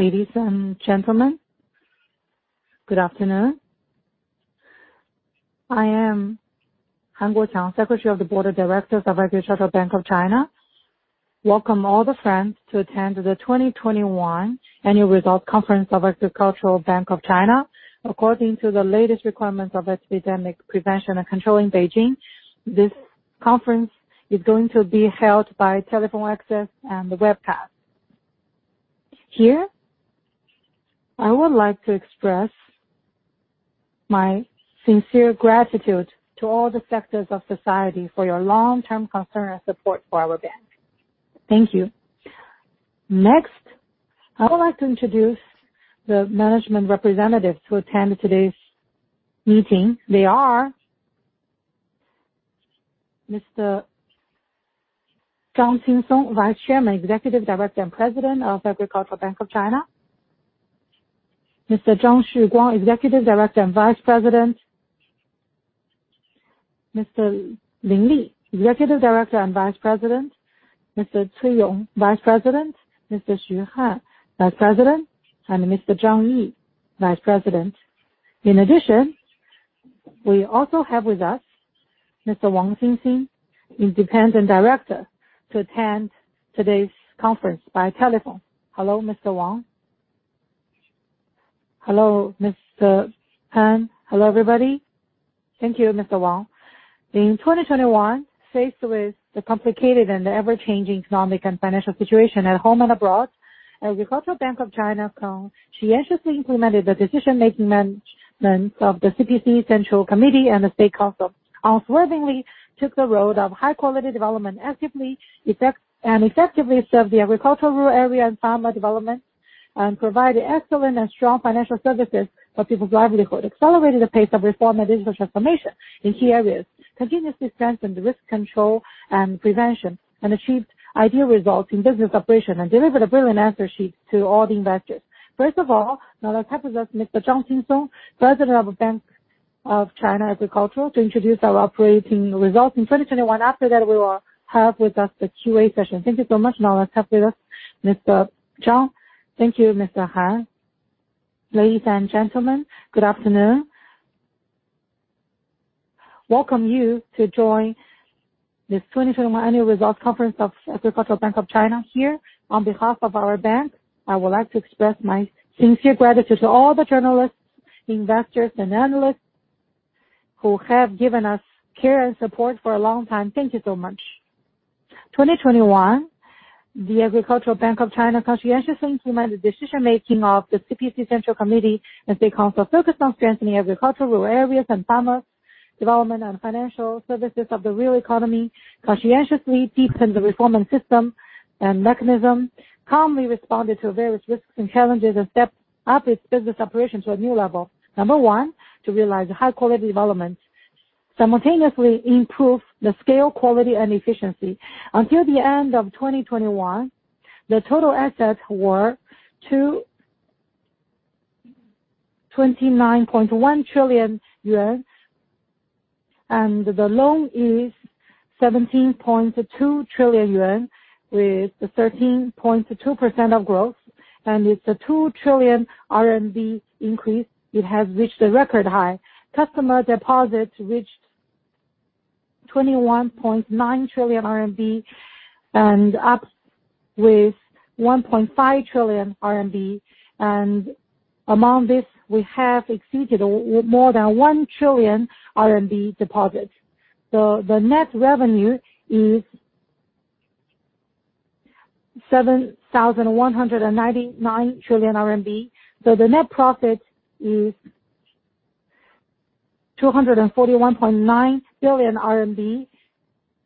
Ladies and gentlemen, good afternoon. I am Han Guoqiang, Secretary of the Board of Directors of Agricultural Bank of China. Welcome all the friends to attend the 2021 annual results conference of Agricultural Bank of China. According to the latest requirements of epidemic prevention and control in Beijing, this conference is going to be held by telephone access and the webcast. Here, I would like to express my sincere gratitude to all the sectors of society for your long-term concern and support for our bank. Thank you. Next, I would like to introduce the management representatives to attend today's meeting. They are Mr. Zhang Qingsong, Vice Chairman, Executive Director, and President of Agricultural Bank of China. Mr. Zhang Xuguang, Executive Director and Vice President. Mr. Lin Li, Executive Director and Vice President. Mr. Cui Yong, Vice President. Mr. Xu Han, Vice President, and Mr. Zhang Yi, Vice President. In addition, we also have with us Mr. Wang Xinxin, Independent Director, to attend today's conference by telephone. Hello, Mr. Wang. Hello, Mr. Han. Hello, everybody. Thank you, Mr. Wang. In 2021, faced with the complicated and ever-changing economic and financial situation at home and abroad, Agricultural Bank of China conscientiously implemented the decision-making management of the CPC Central Committee and the State Council, unswervingly took the road of high-quality development and effectively served the agricultural rural area and farmer development, and provided excellent and strong financial services for people's livelihood, accelerating the pace of reform and business transformation in key areas, continuously strengthened risk control and prevention, and achieved ideal results in business operation and delivered a brilliant answer sheet to all the investors. First of all, now let's have with us Mr. Zhang Qingsong, President of Agricultural Bank of China, to introduce our operating results in 2021. After that, we will have with us the Q&A session. Thank you so much. Now let's have with us Mr. Zhang. Thank you, Mr. Han. Ladies and gentlemen, good afternoon. Welcome you to join this 2021 annual results conference of Agricultural Bank of China here. On behalf of our bank, I would like to express my sincere gratitude to all the journalists, investors, and analysts who have given us care and support for a long time. Thank you so much. 2021, the Agricultural Bank of China conscientiously implemented the decision-making of the CPC Central Committee and State Council focused on strengthening agricultural rural areas and farmers' development and financial services of the real economy, conscientiously deepened the reform and system and mechanism, calmly responded to various risks and challenges, and stepped up its business operations to a new level. Number one, to realize high-quality development, simultaneously improve the scale, quality, and efficiency. Until the end of 2021, the total assets were 29.1 trillion yuan, and the loan is 17.2 trillion yuan with 13.2% of growth, and it's a 2 trillion RMB RMB increase. It has reached a record high. Customer deposits reached 21.9 trillion RMB RMB and up with 1.5 trillion RMB RMB, and among this we have exceeded more than 1 trillion RMB RMB deposits. The net revenue is 7,199 trillion RMB. The net profit is 241.9 billion RMB.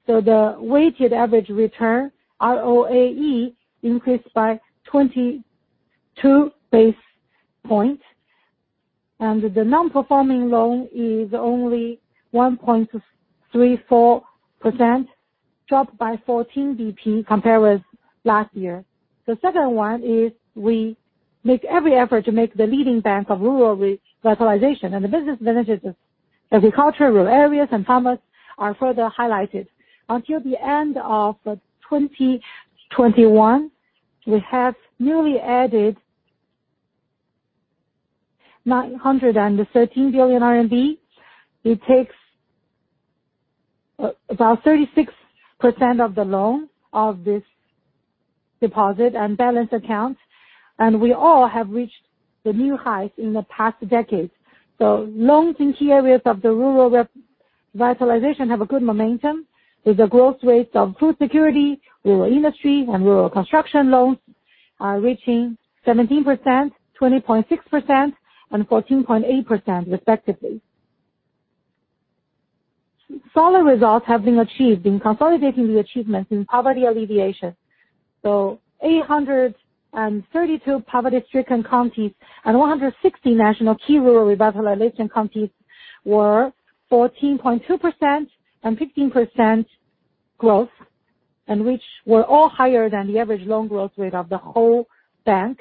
The weighted average return, ROAE, increased by 22 basis points. The non-performing loan is only 1.34%, dropped by 14 basis points compared with last year. The second one is we make every effort to make the leading bank of rural revitalization, and the business advantages of agricultural rural areas and farmers are further highlighted. Until the end of 2021, we have newly added RMB 913 billion. It takes about 36% of the loan of this deposit and balance accounts, and we all have reached the new heights in the past decades. Loans in key areas of the rural revitalization have a good momentum, with the growth rates of food security, rural industry, and rural construction loans reaching 17%, 20.6%, and 14.8% respectively. Solid results have been achieved in consolidating the achievements in poverty alleviation. 832 poverty-stricken counties and 160 national key rural revitalization counties were 14.2% and 15% growth, and which were all higher than the average loan growth rate of the whole bank.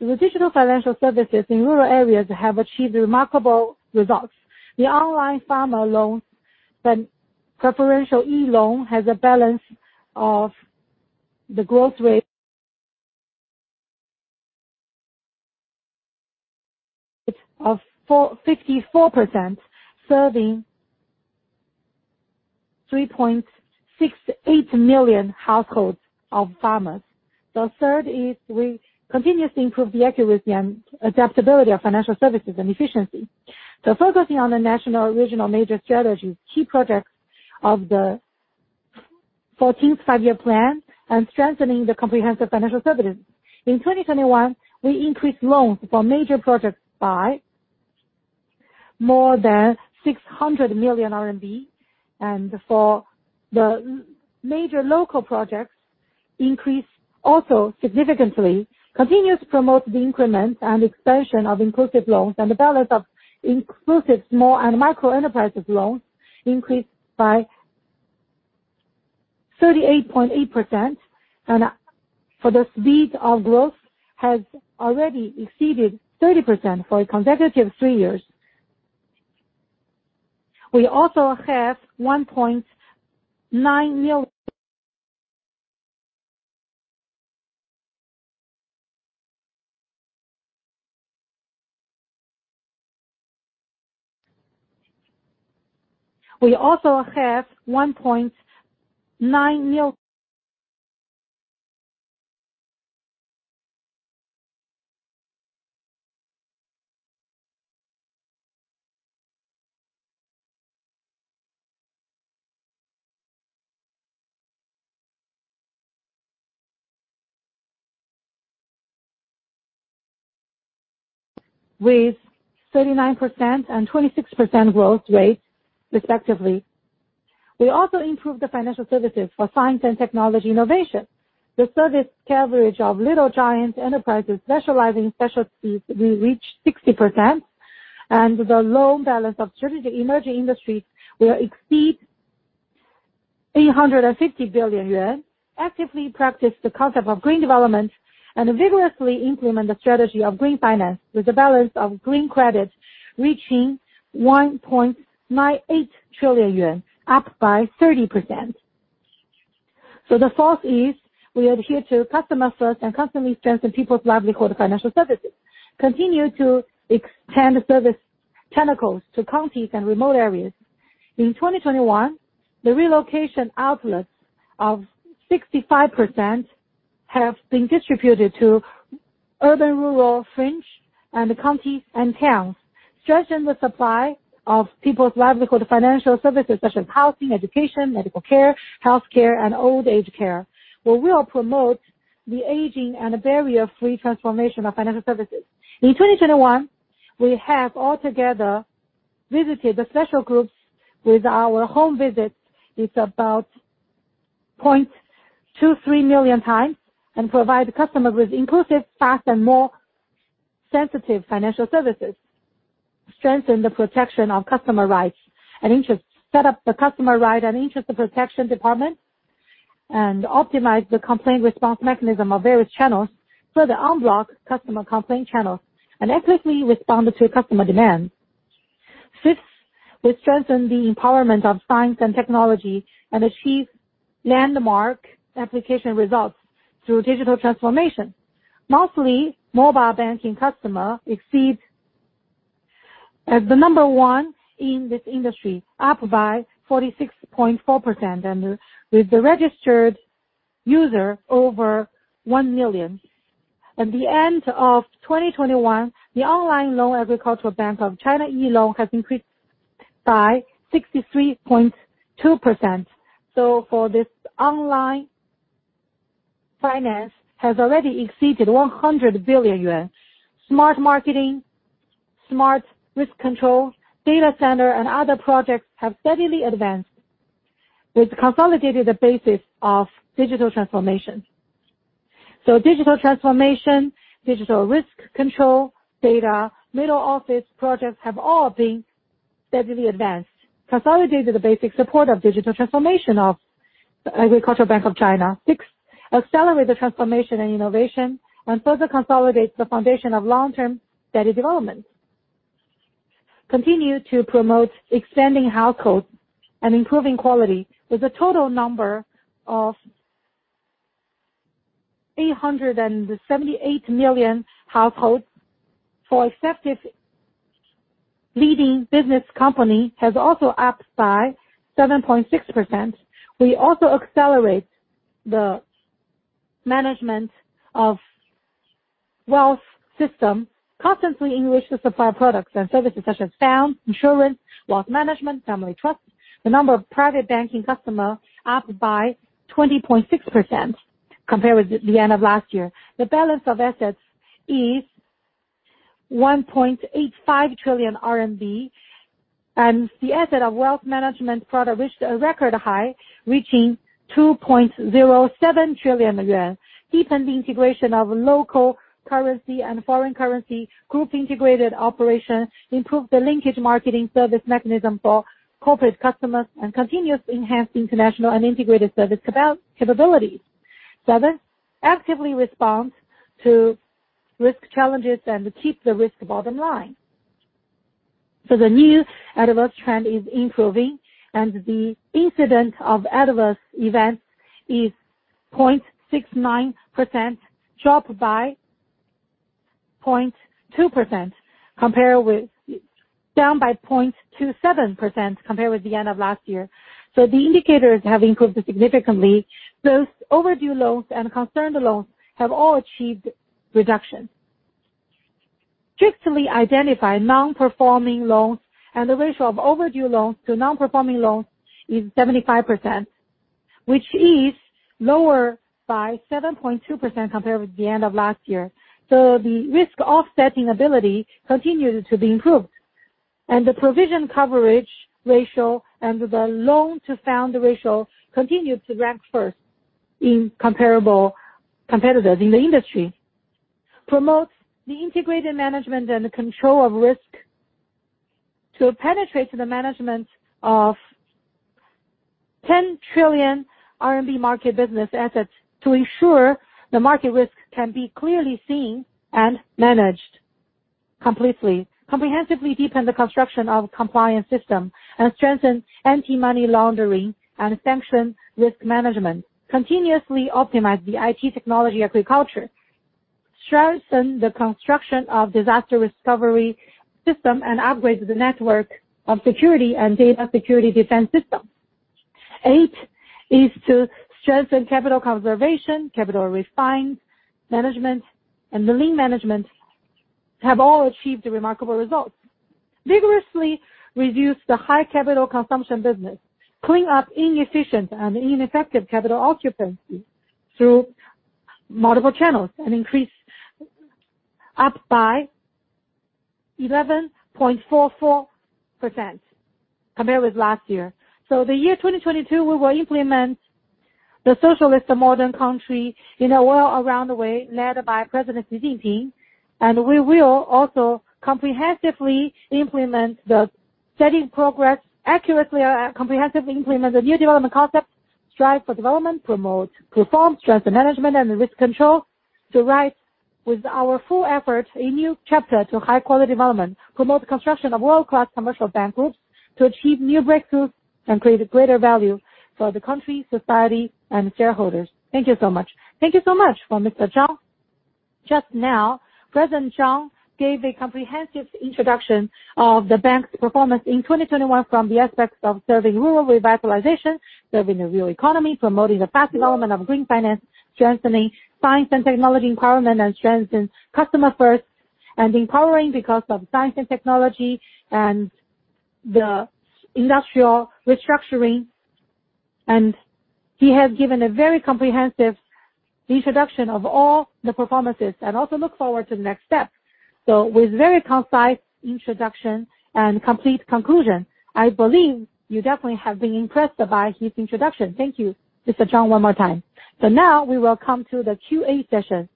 The digital financial services in rural areas have achieved remarkable results. The online farmer loans then preferential e-loan has a balance of the growth rate of 54% serving 3.68 million households of farmers. The third is we continuously improve the accuracy and adaptability of financial services and efficiency. Focusing on the national regional major strategies, key projects of the 14th Five-Year Plan and strengthening the comprehensive financial services. In 2021, we increased loans for major projects by more than 600 million RMB and for the major local projects increased also significantly. We continue to promote the increments and expansion of inclusive loans and the balance of inclusive small and micro enterprises loans increased by 38.8%. The speed of growth has already exceeded 30% for 3 consecutive years. We also have 1.9 million with 39% and 26% growth rate respectively. We also improved the financial services for science and technology innovation. The service coverage of Little Giant enterprises specializing specialties, we reached 60%. The loan balance of strategic emerging industries will exceed 850 billion yuan. Actively practice the concept of green development and vigorously implement the strategy of green finance with the balance of green credits reaching 1.98 trillion yuan, up by 30%. The fourth is we adhere to customer first and constantly strengthen people's livelihood financial services, continue to extend service tentacles to counties and remote areas. In 2021, the relocation outlets of 65% have been distributed to urban, rural, fringe, and the counties and towns. Extending the supply of people's livelihood financial services, such as housing, education, medical care, health care, and old age care. We will promote the aging and a barrier-free transformation of financial services. In 2021, we have altogether visited the special groups with our home visits. It's about 0.23 million times and provide the customer with inclusive, fast, and more sensitive financial services. Strengthen the protection of customer rights and interests. Set up the customer rights and interests protection department, and optimize the complaint response mechanism of various channels. Further unblock customer complaint channels and actively responded to customer demands. Fifth, we strengthen the empowerment of science and technology and achieve landmark application results through digital transformation. Mobile banking customers exceed as the number one in this industry, up by 46.4% and with the registered user over 1 million. At the end of 2021, the online loan Agricultural Bank of China e-Loan has increased by 63.2%. The online finance has already exceeded 100 billion yuan. Smart marketing, smart risk control, data center, and other projects have steadily advanced and consolidated the basis of digital transformation. Digital transformation, digital risk control, data, middle office projects have all been steadily advanced and consolidated the basic support of digital transformation of Agricultural Bank of China. Six, accelerate the transformation and innovation and further consolidate the foundation of long-term steady development. Continue to promote expanding households and improving quality with a total number of 878 million household for effective leading business company has also upped by 7.6%. We also accelerate the wealth management system, constantly enrich the supply of products and services such as fund, insurance, wealth management, family trust. The number of private banking customers upped by 20.6% compared with the end of last year. The balance of assets is 1.85 trillion RMB and the asset of wealth management product reached a record high, reaching 2.07 trillion yuan. Deepen the integration of local currency and foreign currency group integrated operation. Improve the linkage marketing service mechanism for corporate customers, and continuously enhance international and integrated service capabilities. Seven, actively respond to risk challenges and keep the risk bottom line. The new adverse trend is improving and the incident of adverse events is 0.69%, down by 0.27% compared with the end of last year. The indicators have improved significantly. Those overdue loans and concerned loans have all achieved reduction. Strictly identify non-performing loans and the ratio of overdue loans to non-performing loans is 75%, which is lower by 7.2% compared with the end of last year. The risk offsetting ability continues to be improved. The provision coverage ratio and the loan to sound ratio continued to rank first in comparable competitors in the industry. Promotes the integrated management and control of risk to penetrate the management of 10 trillion RMB market business assets to ensure the market risk can be clearly seen and managed completely. Comprehensively deepen the construction of compliance system and strengthen anti-money laundering and sanction risk management. Continuously optimize the IT technology agriculture. Strengthen the construction of disaster recovery system and upgrade the network of security and data security defense system. Eight, is to strengthen capital conservation, capital refine management and the lean management have all achieved remarkable results. Vigorously reduce the high capital consumption business, clean up inefficient and ineffective capital occupancy through multiple channels, and increase up by 11.44% compared with last year. The year 2022, we will implement the socialist modern country in an all-round way led by President Xi Jinping. We will also comprehensively implement the steady progress accurately and comprehensively implement the new development concept, strive for development, promote reform, strengthen management and risk control to write with our full effort a new chapter to high-quality development. Promote the construction of world-class commercial bank groups to achieve new breakthroughs and create greater value for the country, society, and shareholders. Thank you so much. Thank you so much for Mr. Zhang. Just now, President Zhang gave a comprehensive introduction of the bank's performance in 2021 from the aspects of serving rural revitalization, serving the real economy, promoting the fast development of green finance, strengthening science and technology empowerment, and strengthening customer first and empowering because of science and technology and the industrial restructuring. He has given a very comprehensive introduction of all the performances and also look forward to the next step. With very concise introduction and complete conclusion, I believe you definitely have been impressed by his introduction. Thank you, Mr. Zhang, one more time. Now we will come to the Q&A session.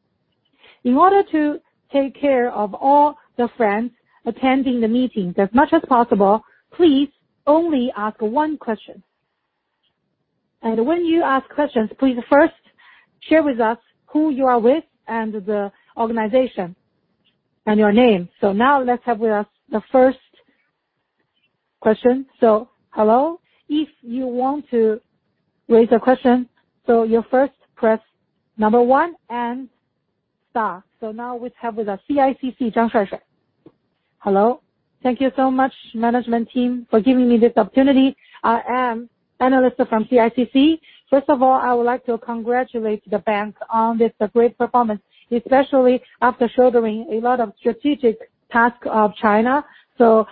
In order to take care of all the friends attending the meetings as much as possible, please only ask one question. When you ask questions, please first share with us who you are with and the organization and your name. So now let us have with us the first question. So hello, if you want to raise a question, you first press number one and star. So now let's have CICC, Zhang Shuai. Hello. Thank you so much management team for giving me this opportunity. I am analyst from CICC. First of all, I would like to congratulate the bank on this great performance, especially after shouldering a lot of strategic tasks of China. 12%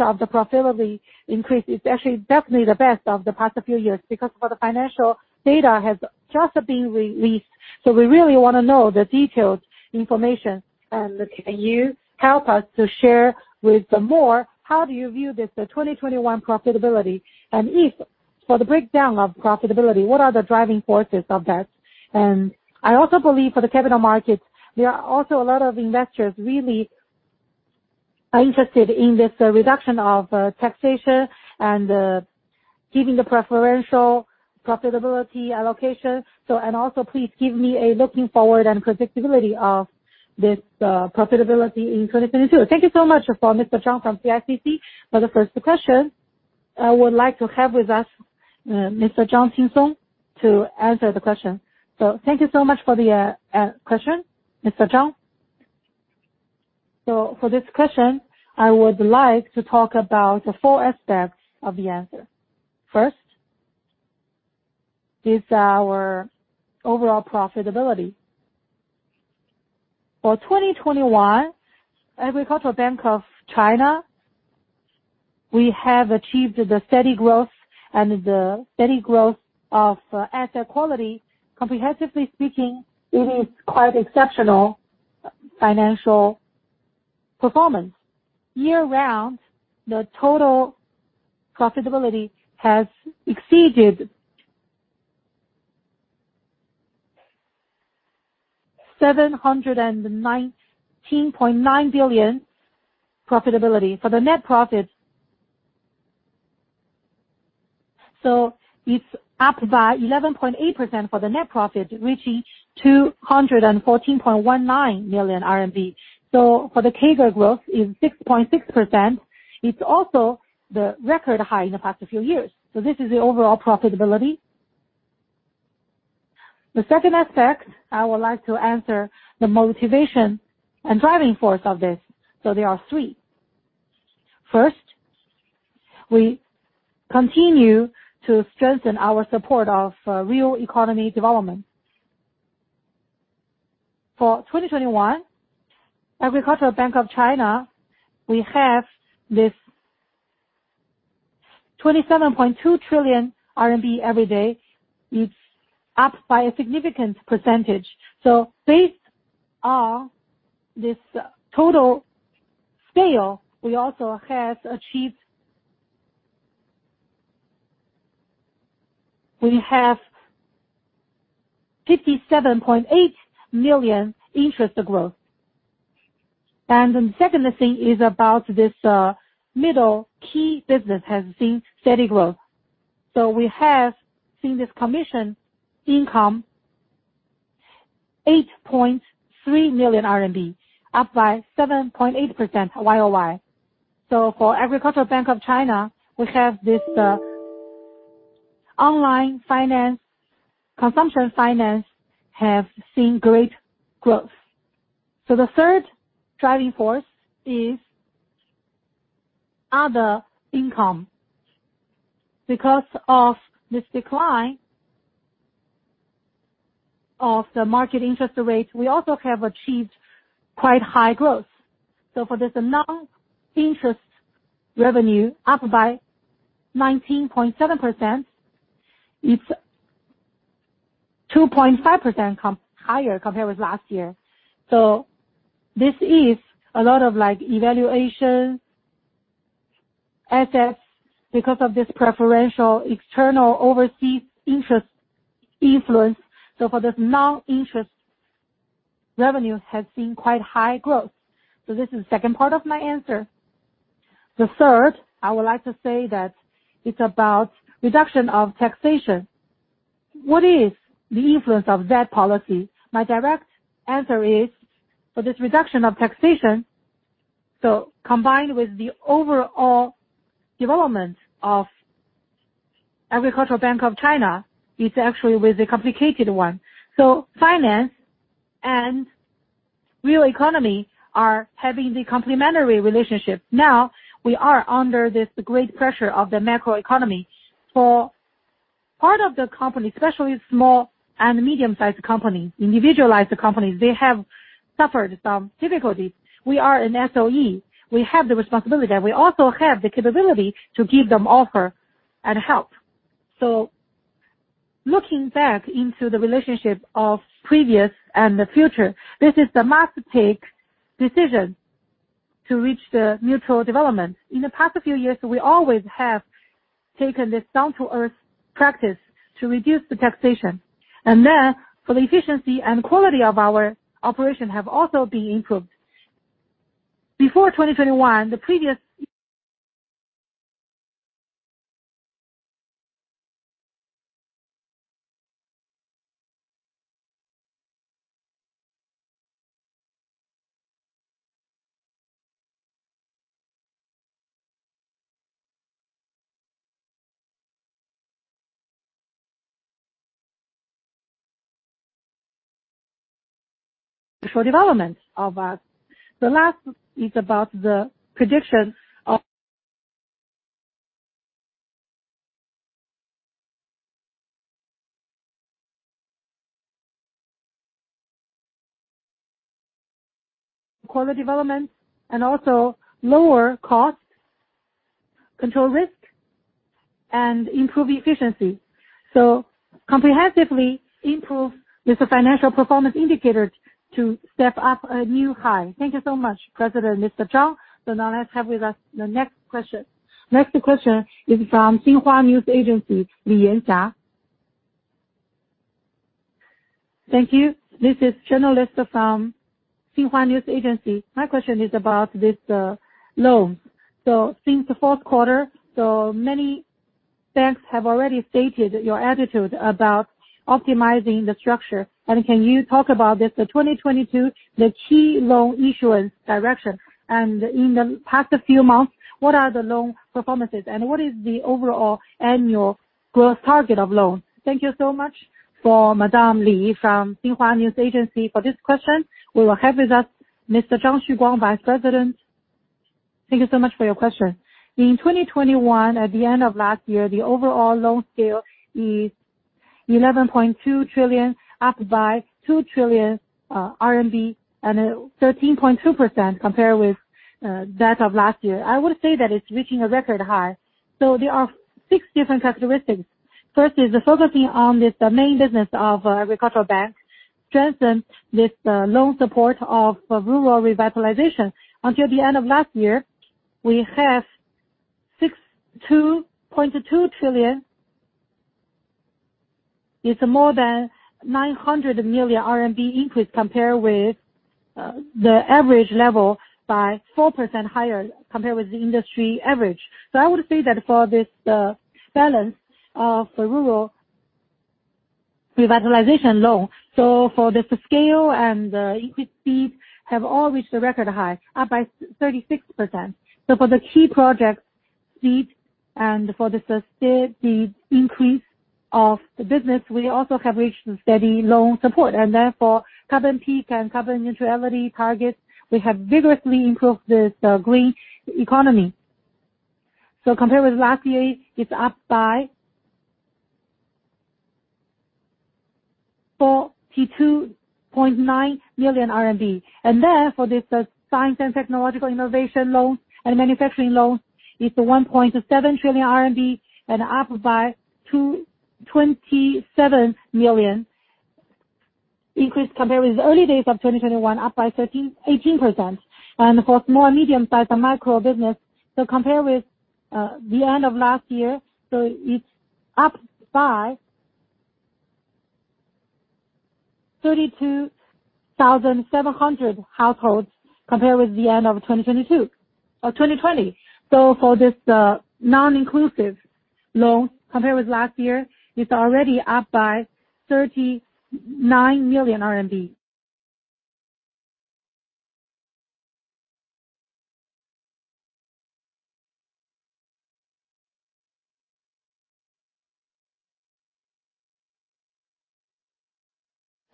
of the profitability increase is actually definitely the best of the past few years because the financial data has just been released. We really wanna know the detailed information and if you help us to share with more, how do you view this 2021 profitability? For the breakdown of profitability, what are the driving forces of that? I also believe for the capital markets, there are also a lot of investors really are interested in this reduction of taxation and giving the preferential profitability allocation. Please give me a looking forward and predictability of this profitability in 2022. Thank you so much for Mr. Zhang Shuai from CICC for the first question. I would like to have with us Mr. Zhang Qingsong to answer the question. Thank you so much for the question, Mr. Zhang Qingsong. For this question, I would like to talk about the four aspects of the answer. First is our overall profitability. For 2021, Agricultural Bank of China, we have achieved the steady growth of asset quality. Comprehensively speaking, it is quite exceptional financial performance. Full year, the total profitability has exceeded RMB 719.9 billion profitability. It's up by 11.8% for the net profit, reaching 214.19 million RMB. For the CAGR growth is 6.6%. It's also the record high in the past few years. This is the overall profitability. The second aspect I would like to answer the motivation and driving force of this. There are three. First, we continue to strengthen our support of real economy development. For 2021, Agricultural Bank of China, we have this 27.2 trillion RMB every day. It's up by a significant percentage. Based on this total scale, we have 57.8 million interest growth. The second thing is about this middle key business has seen steady growth. We have seen this commission income, 8.3 million RMB, up by 7.8% YOY. For Agricultural Bank of China, we have this online finance consumption finance have seen great growth. The third driving force is other income. Because of this decline of the market interest rate, we also have achieved quite high growth. For this non-interest revenue, up by 19.7%, it's 2.5% higher compared with last year. This is a lot of like evaluations, assets, because of this preferential external overseas interest influence. For this non-interest revenue has seen quite high growth. This is the second part of my answer. The third, I would like to say that it's about reduction of taxation. What is the influence of that policy? My direct answer is for this reduction of taxation, so combined with the overall development of Agricultural Bank of China, it's actually with a complicated one. Finance and real economy are having the complementary relationship. Now, we are under this great pressure of the macro economy. For part of the company, especially small and medium-sized companies, individualized companies, they have suffered some difficulties. We are an SOE. We have the responsibility, and we also have the capability to give them offer and help. Looking back into the relationship of previous and the future, this is the must-take decision to reach the mutual development. In the past few years, we always have taken this down-to-earth practice to reduce the taxation. For the efficiency and quality of our operation have also been improved. Before 2021, the previous... For development of us. The last is about the prediction of quality development and also lower cost, control risk, and improve efficiency. Comprehensively improve this financial performance indicator to step up a new high. Thank you so much, President Zhang. Now let's have with us the next question. Next question is from Xinhua News Agency, Li Yanjia. Thank you. This is journalist from Xinhua News Agency. My question is about this, loan. Since the fourth quarter, so many banks have already stated your attitude about optimizing the structure. Can you talk about this, the 2022, the key loan issuance direction? In the past few months, what are the loan performances and what is the overall annual growth target of loans? Thank you so much for Madam Li from Xinhua News Agency for this question. We will have with us Mr. Zhang Xuguang, Vice President. Thank you so much for your question. In 2021, at the end of last year, the overall loan scale is 11.2 trillion, up by 2 trillion RMB, RMB, and 13.2% compared with that of last year. I would say that it's reaching a record high. There are six different characteristics. First is focusing on this main business of Agricultural Bank, strengthen this loan support of rural revitalization. Until the end of last year, we have 6.2 trillion. It's more than 900 million RMB RMB increase compared with the average level by 4% higher compared with the industry average. I would say that for this balance of the rural revitalization loan, for the scale and increase speed have all reached a record high, up by 36%. For the key project support and for the sustained support increase of the business, we also have reached a steady loan support. Carbon peak and carbon neutrality targets, we have vigorously improved the green economy. Compared with last year, it's up by 42.9 million RMB. This science and technological innovation loans and manufacturing loans is 1.7 trillion RMB and up by 27 billion increase compared with early days of 2021, up by 18%. For small, medium-sized micro business, compared with the end of last year, it's up by 32,700 households compared with the end of 2020. For this non-inclusive loan, compared with last year, it's already up by 39 million RMB.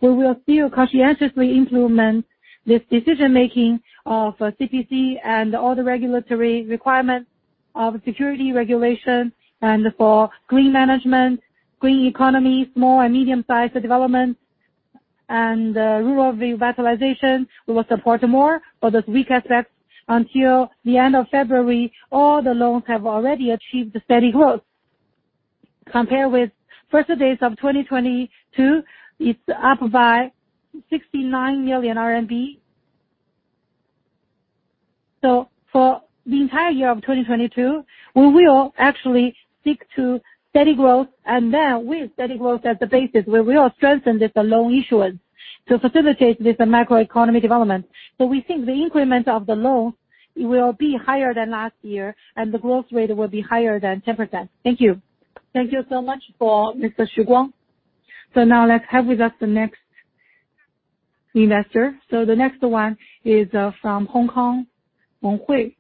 We will still conscientiously implement this decision-making of CPC and all the regulatory requirements of security regulation and for green management, green economy, small and medium-sized developments, and rural revitalization. We will support more for those weak assets. Until the end of February, all the loans have already achieved a steady growth. Compared with first days of 2022, it's up by RMB 69 million. For the entire year of 2022, we will actually stick to steady growth. With steady growth as the basis, we will strengthen this loan issuance to facilitate this microeconomy development. We think the increment of the loan will be higher than last year, and the growth rate will be higher than 10%. Thank you. Thank you so much for Mr. Zhang Xuguang. Now let's have with us the next investor. The next one is from Wen Wei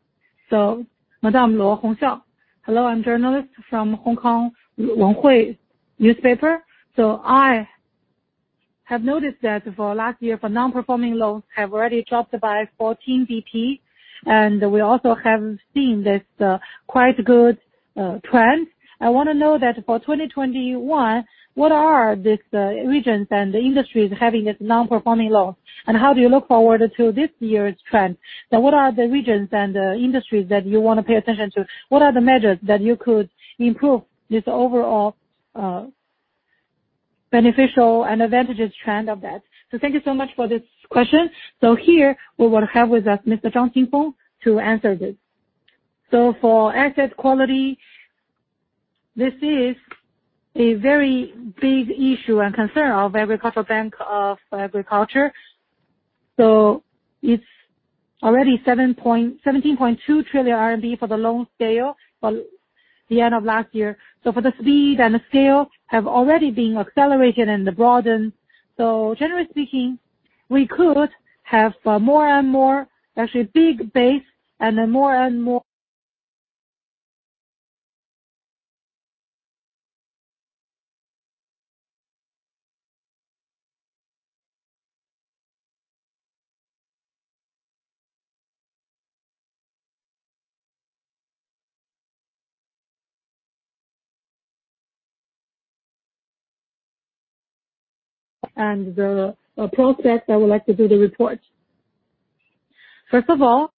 Po. Madame Luo Hongxiao. Hello, I'm journalist from Wen Wei Po Newspaper. I have noticed that for last year, non-performing loans have already dropped by 14 BP. We also have seen this quite good trend. I want to know that for 2021, what are these regions and the industries having this non-performing loan, and how do you look forward to this year's trend? Now, what are the regions and the industries that you want to pay attention to? What are the measures that you could improve this overall beneficial and advantageous trend of that? Thank you so much for this question. Here, we will have with us Mr. Zhang Qingsong to answer this. For asset quality, this is a very big issue and concern of every corporate Agricultural Bank of China. It's already seventeen point two trillion RMB for the loan scale at the end of last year. For the speed and the scale have already been accelerated and broadened. Generally speaking, we could have more and more, actually big base and then more and more. The prospect, I would like to do the report. First of all,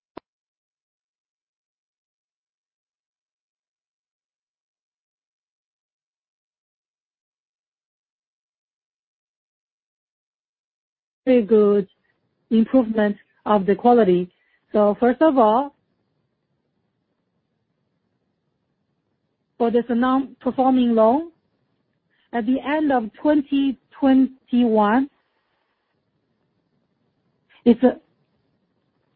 a good improvement of the quality. First of all, for this non-performing loan, at the end of 2021, it's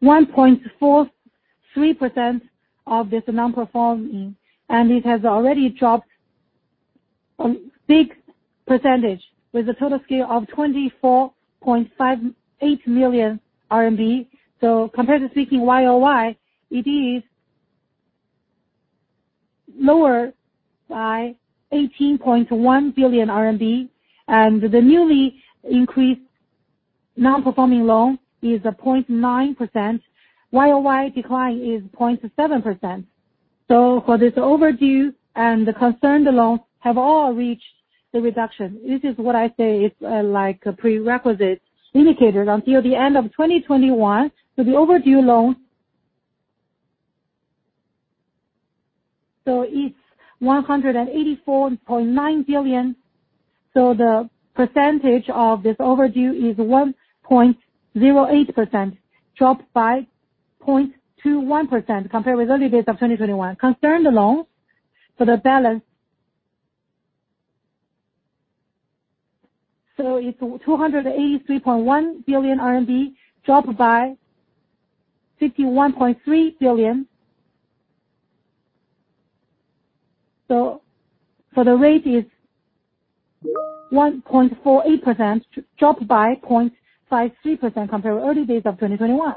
1.43% of this non-performing, and it has already dropped a big percentage with a total scale of 24.58 million RMB. Comparatively speaking, YOY, it is lower by 18.1 billion RMB, and the newly increased non-performing loan is 0.9%. YOY decline is 0.7%. For this overdue and the concerned loans have all reached the reduction. This is what I say it's a prerequisite indicator until the end of 2021. The overdue loan is 184.9 billion. The percentage of this overdue is 1.08%, dropped by 0.21% compared with early days of 2021. Concerned loans for the balance is 283.1 billion RMB, dropped by 51.3 billion. The rate is 1.48%, dropped by 0.53% compared with early days of 2021.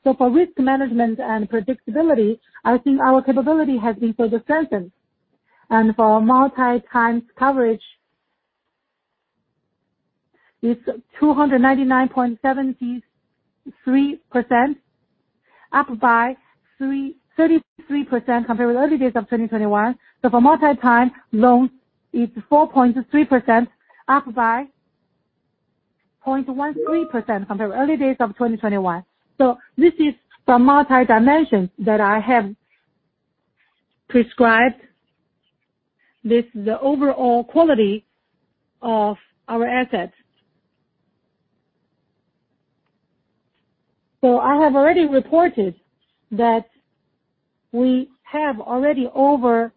Asset quality has been significantly reflected. Until the end of 2021, the overdue and concerned one is 74.24%, dropped by 7.18% compared with early days of 2021. For risk management and predictability, I think our capability has been further strengthened. For multi times coverage, it's 299.73%, up by 33% compared with early days of 2021. For multi-time loans, it's 4.3%, up by 0.13% compared with early days of 2021. This is from multi dimensions that I have prescribed this, the overall quality of our assets. I have already reported that we have already over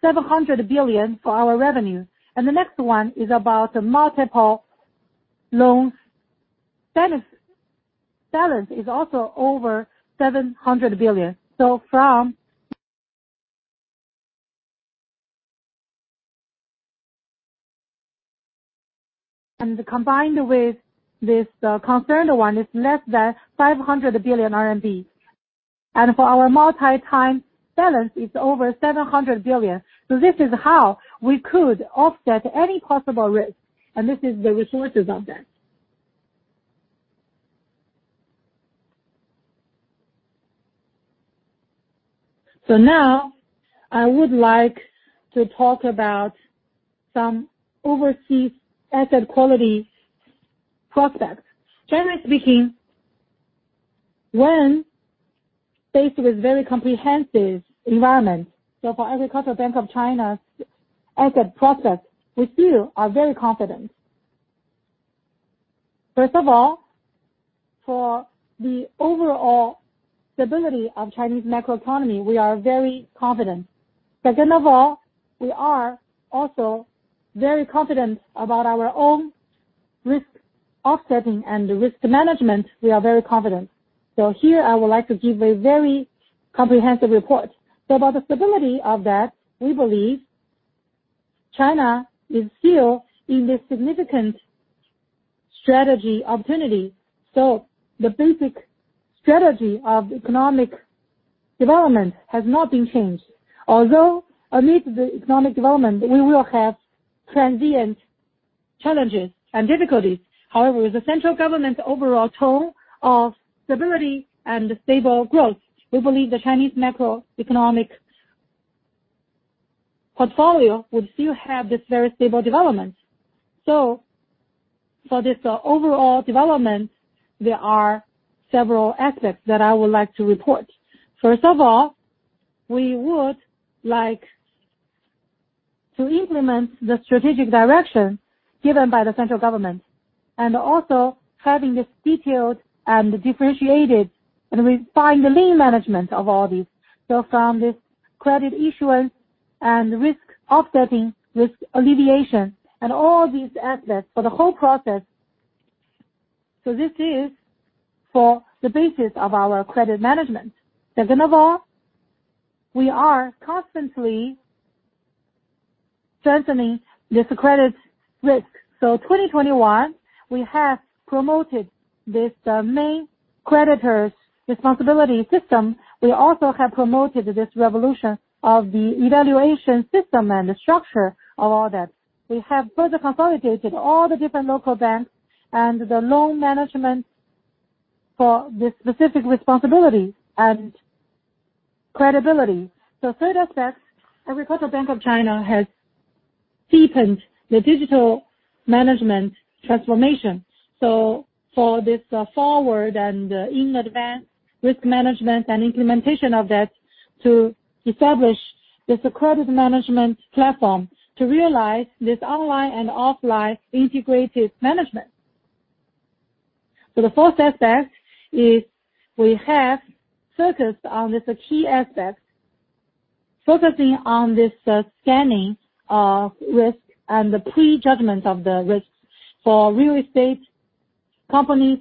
700 billion for our revenue, and the next one is about multiple loans. Balance is also over 700 billion. From... Combined with this, concerned one is less than 500 billion RMB. For our multi-time balance, it's over 700 billion. This is how we could offset any possible risk, and this is the reserves of that. Now I would like to talk about some overall asset quality prospects. Generally speaking, when faced with very complex environment, for Agricultural Bank of China's asset process, we still are very confident. First of all, for the overall stability of Chinese macroeconomy, we are very confident. Second of all, we are also very confident about our own risk offsetting and risk management, we are very confident. Here, I would like to give a very comprehensive report. About the stability of that, we believe China is still in this significant strategic opportunity. The basic strategy of economic development has not been changed. Although amid the economic development, we will have transient challenges and difficulties. However, with the central government's overall tone of stability and stable growth, we believe the Chinese macroeconomic portfolio will still have this very stable development. For this overall development, there are several aspects that I would like to report. First of all, we would like to implement the strategic direction given by the central government, and also having this detailed and differentiated, and refine the lean management of all these. From this credit issuance and risk offsetting, risk alleviation, and all these aspects for the whole process. This is for the basis of our credit management. Second of all, we are constantly strengthening this credit risk. In 2021, we have promoted this main creditors responsibility system. We also have promoted this revolution of the evaluation system and the structure of all that. We have further consolidated all the different local banks and the loan management for this specific responsibility and credibility. The third aspect, Agricultural Bank of China has deepened the digital management transformation. For this, forward and in advance risk management and implementation of that to establish this credit management platform to realize this online and offline integrated management. The fourth aspect is we have focused on this key aspect, focusing on this, scanning of risk and the pre-judgment of the risk for real estate companies,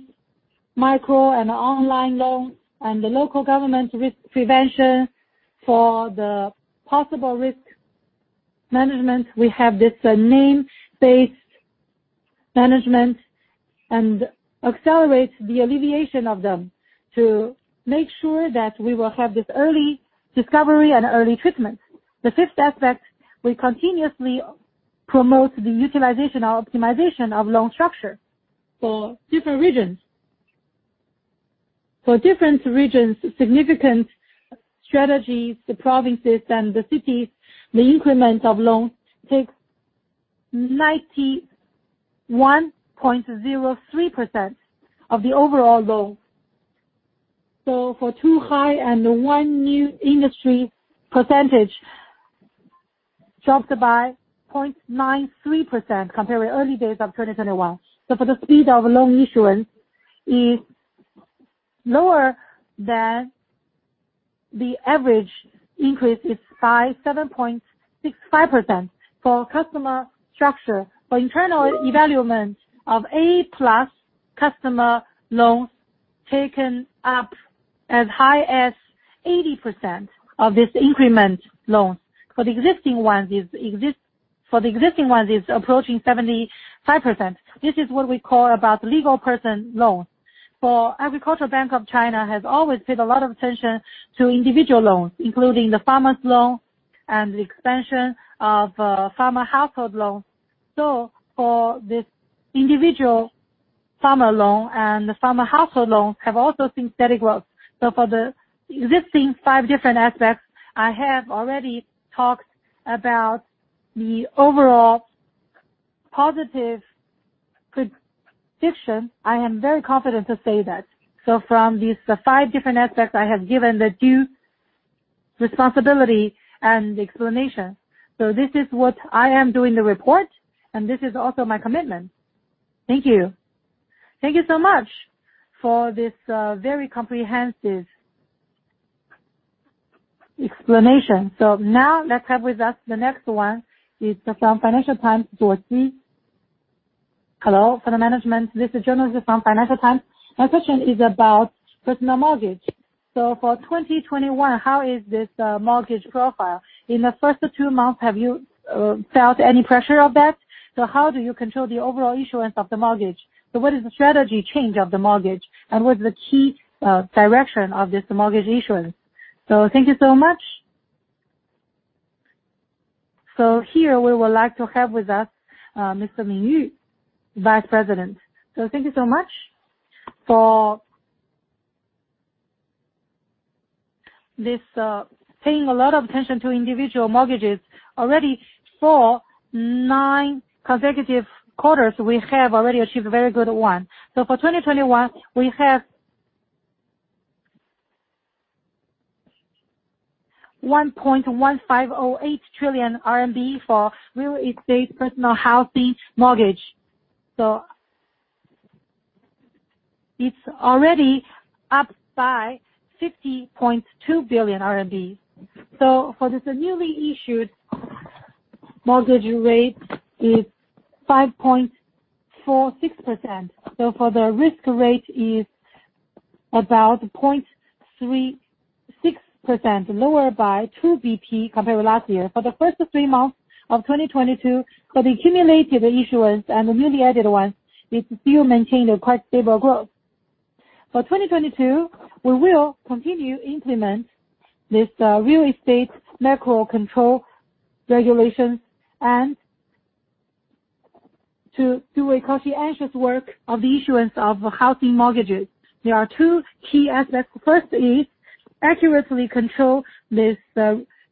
micro and online loans, and the local government risk prevention. For the possible risk management, we have this, name-based management and accelerates the alleviation of them to make sure that we will have this early discovery and early treatment. The fifth aspect, we continuously promote the utilization or optimization of loan structure for different regions. For different regions, significant strategies, the provinces and the cities, the increment of loans takes 91.03% of the overall loans. For two high and one new industry percentage dropped by 0.93% compared with early days of 2021. For the speed of loan issuance is lower than the average increase is 7.65%. For customer structure, for internal evaluation of A-plus customer loans taken up as high as 80% of this increment loans. For the existing ones, it's approaching 75%. This is what we call about legal person loans. Agricultural Bank of China has always paid a lot of attention to individual loans, including the farmer's loan and the expansion of farmer household loans. For this individual farmer loan and the farmer household loans have also seen steady growth. For the existing five different aspects, I have already talked about the overall positive prediction. I am very confident to say that. From these five different aspects I have given the due responsibility and explanation. This is what I am doing the report, and this is also my commitment. Thank you. Thank you so much for this very comprehensive explanation. Now let's have with us the next one is from Financial Times, Zhuo Zi. Hello to the management. This is journalist from Financial Times. My question is about personal mortgage. For 2021, how is this mortgage profile? In the first two months, have you felt any pressure of that? How do you control the overall issuance of the mortgage? What is the strategy change of the mortgage, and what is the key direction of this mortgage issuance? Thank you so much. Here, we would like to have with us Mr. Cui Yong, Vice President. Thank you so much for paying a lot of attention to individual mortgages. Already for nine consecutive quarters, we have already achieved a very good one. For 2021, we have 1.1508 trillion RMB for real estate personal housing mortgage. It's already up by 50.2 billion RMB. For this newly issued mortgage rate is 5.46%. The risk rate is about 0.36% lower by 2 BP compared with last year. For the first three months of 2022, for the cumulative issuance and the newly added ones, it still maintained a quite stable growth. For 2022, we will continue implement this, real estate macro control regulations and to do a cautious work of the issuance of housing mortgages. There are two key aspects. First is accurately control this,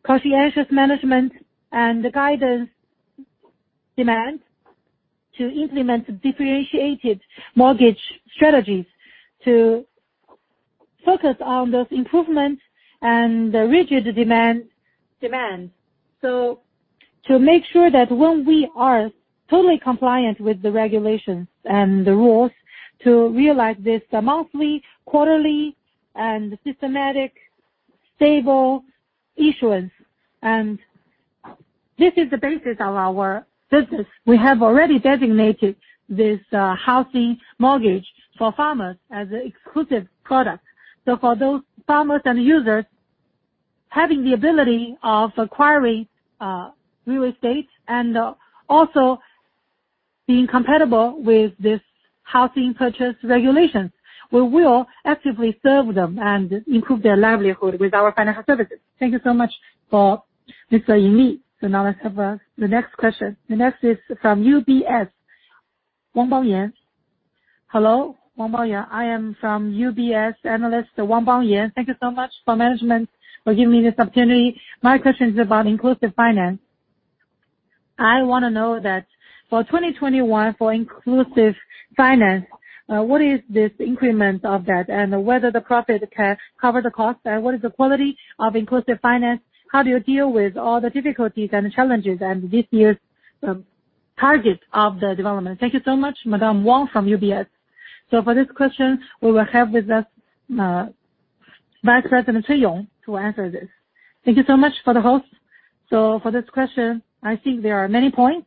cautious management and the guidance demand to implement differentiated mortgage strategies to focus on those improvements and the rigid demand. To make sure that when we are totally compliant with the regulations and the rules to realize this monthly, quarterly, and systematic stable issuance. This is the basis of our business. We have already designated this, housing mortgage for farmers as an exclusive product. For those farmers and users, having the ability of acquiring real estate and also being compatible with this housing purchase regulations, we will actively serve them and improve their livelihood with our financial services. Thank you so much for Mr. Cui Yong. Now let's have the next question. The next is from UBS, Wang Baoyan. Hello, Wang Baoyan. I am from UBS, analyst Wang Baoyan. Thank you so much for management for giving me this opportunity. My question is about inclusive finance. I wanna know that for 2021, for inclusive finance, what is this increment of that, and whether the profit can cover the cost, and what is the quality of inclusive finance? How do you deal with all the difficulties and challenges and this year's target of the development? Thank you so much, Madam Baoyan from UBS. For this question, we will have with us, Vice President Cui Yong to answer this. Thank you so much for the host. For this question, I think there are many points.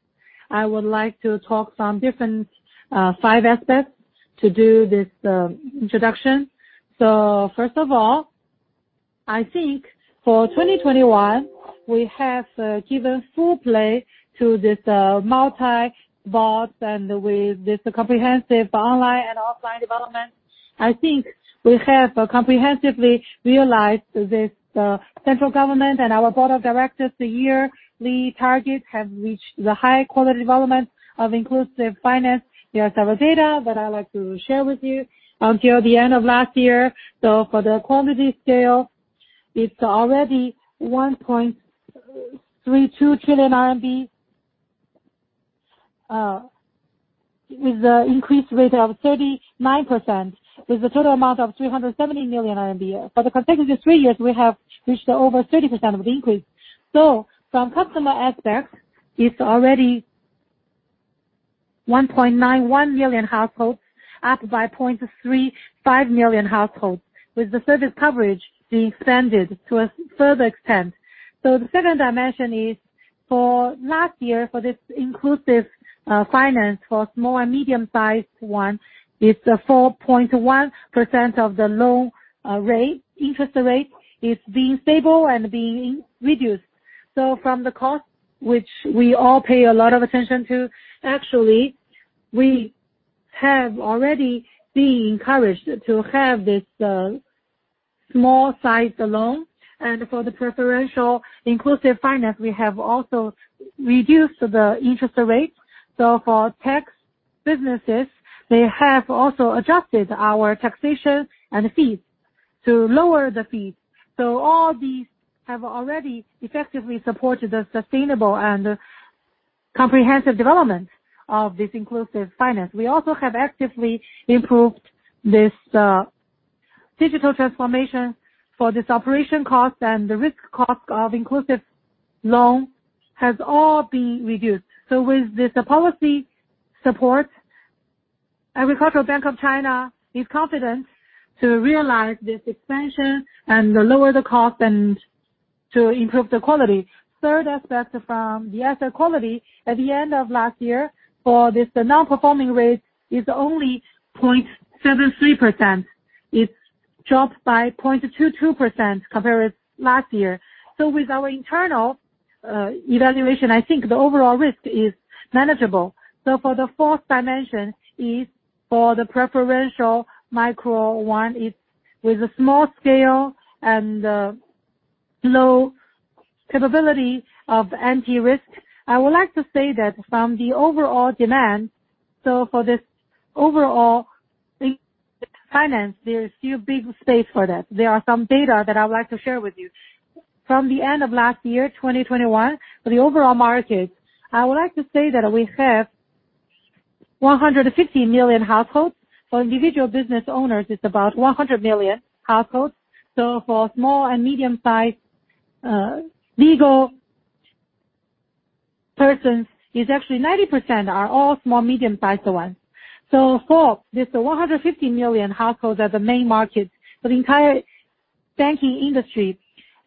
I would like to talk some different five aspects to do this introduction. First of all, I think for 2021, we have given full play to this multi-channel and with this comprehensive online and offline development. I think we have comprehensively realized this central government and our board of directors, the yearly targets have reached the high-quality development of inclusive finance. There are several data that I'd like to share with you. Until the end of last year, for the quality scale. It's already 1.32 trillion RMB. With the increased rate of 39%, with the total amount of 370 million RMB. For the consecutive three years, we have reached over 30% of increase. From customer aspect, it's already 1.91 million households, up by 0.35 million households, with the service coverage being expanded to a further extent. The second dimension is for last year, for this inclusive finance for small and medium-sized one, it's a 4.1% of the loan rate interest rate is being stable and being reduced. From the cost, which we all pay a lot of attention to, actually we have already been encouraged to have this small-sized loan, and for the preferential inclusive finance we have also reduced the interest rate. For tax businesses, they have also adjusted our taxation and fees to lower the fees. All these have already effectively supported the sustainable and comprehensive development of this inclusive finance. We also have actively improved this digital transformation for this operation cost and the risk cost of inclusive loan has all been reduced. With this policy support, Agricultural Bank of China is confident to realize this expansion and lower the cost and to improve the quality. Third aspect from the asset quality, at the end of last year for this, the non-performing rate is only 0.73%. It's dropped by 0.22% compared with last year. With our internal evaluation, I think the overall risk is manageable. For the fourth dimension is for the preferential micro one, it's with a small scale and low capability of anti-risk. I would like to say that from the overall demand, for this overall inclusive finance, there is still big space for that. There are some data that I would like to share with you. From the end of last year, 2021, for the overall market, I would like to say that we have 150 million households. For individual business owners, it's about 100 million households. For small and medium-sized legal persons, it's actually 90% are all small, medium-sized ones. For this 150 million households are the main markets for the entire banking industry.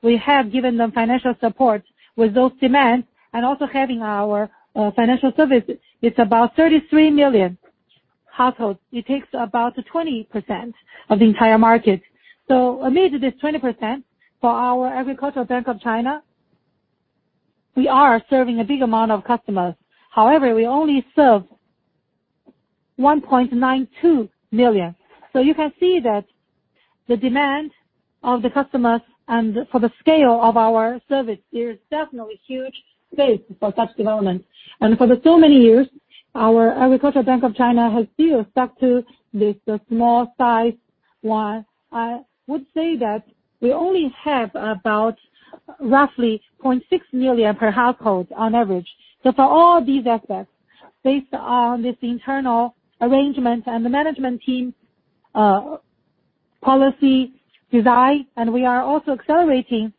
We have given them financial support with those demands and also having our financial services. It's about 33 million households. It takes about 20% of the entire market. Amid this 20% for our Agricultural Bank of China, we are serving a big amount of customers. However, we only serve 1.92 million. You can see that the demand of the customers and for the scale of our service, there is definitely huge space for such development. For the so many years, our Agricultural Bank of China has still stuck to this small size one. I would say that we only have about roughly 0.6 million per household on average. For all these aspects, based on this internal arrangement and the management team, policy design, and we are also accelerating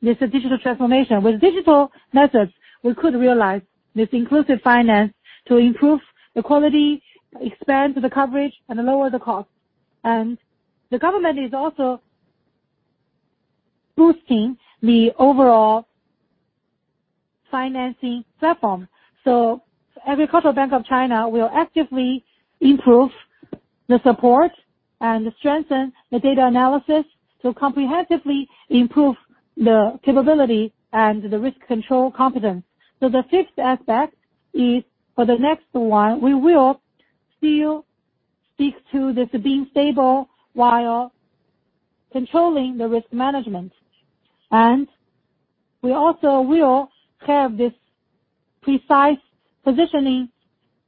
this digital transformation. With digital methods, we could realize this inclusive finance to improve the quality, expand the coverage, and lower the cost. The government is also boosting the overall financing platform. Agricultural Bank of China will actively improve the support and strengthen the data analysis to comprehensively improve the capability and the risk control competence. The fifth aspect is for the next one, we will still stick to this being stable while controlling the risk management. We also will have this precise positioning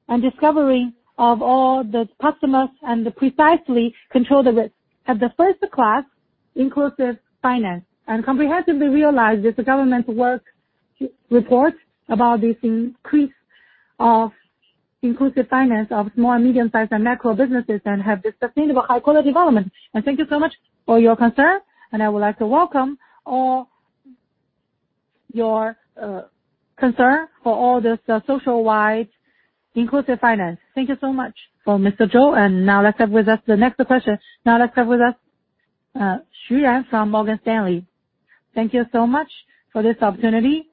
and discovering of all the customers and precisely control the risk. At the first class, inclusive finance, and comprehensively realize that the government work reports about this increase of inclusive finance of small and medium-sized and micro businesses and have this sustainable high-quality development. Thank you so much for your concern, and I would like to welcome all your concern for all this society-wide inclusive finance. Thank you so much. For Mr. Zhuo, now let's have with us the next question. Now let's have with us Richard Xu from Morgan Stanley. Thank you so much for this opportunity.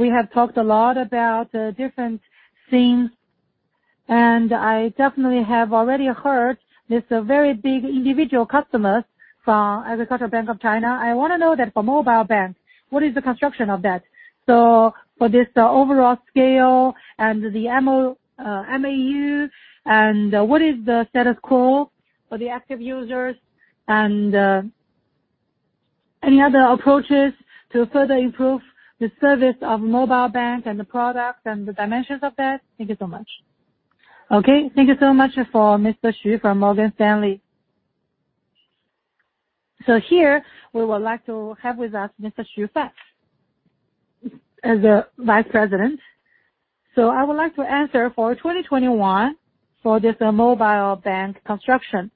We have talked a lot about different things, and I definitely have already heard this a very big individual customers from Agricultural Bank of China. I wanna know that for Mobile Bank, what is the construction of that? For this overall scale and the MAU, and what is the status quo for the active users? Any other approaches to further improve the service of mobile bank and the product and the dimensions of that? Thank you so much. Okay, thank you so much for Richard Xu from Morgan Stanley. Here, we would like to have with us Mr. Xu Han as the Vice President. I would like to answer for 2021 for this mobile bank construction.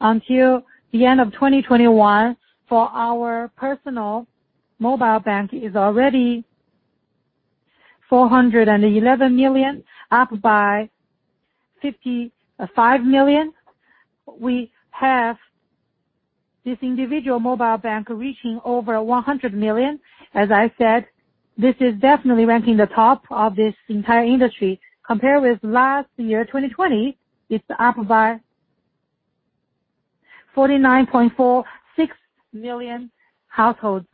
Until the end of 2021, our personal mobile bank is already 411 million, up by 55 million. We have this individual mobile bank reaching over 100 million. As I said, this is definitely ranking the top of this entire industry. Compared with last year, 2020, it's up by 49.46 million households.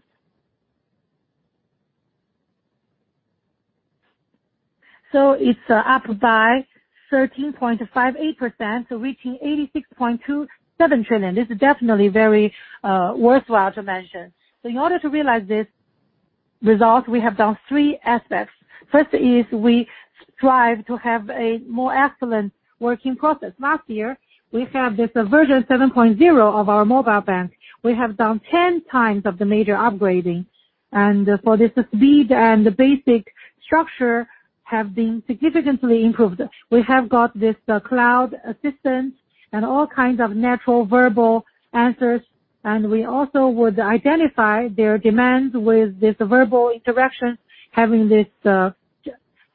It's up by 13.58%, so reaching 86.27 trillion. This is definitely very worthwhile to mention. In order to realize this result, we have done three aspects. First is we strive to have a more excellent working process. Last year, we have this version 7.0 of our mobile bank. We have done 10 times of the major upgrading, and for this speed and the basic structure have been significantly improved. We have got this cloud assistance and all kinds of natural verbal answers, and we also would identify their demands with this verbal interaction, having this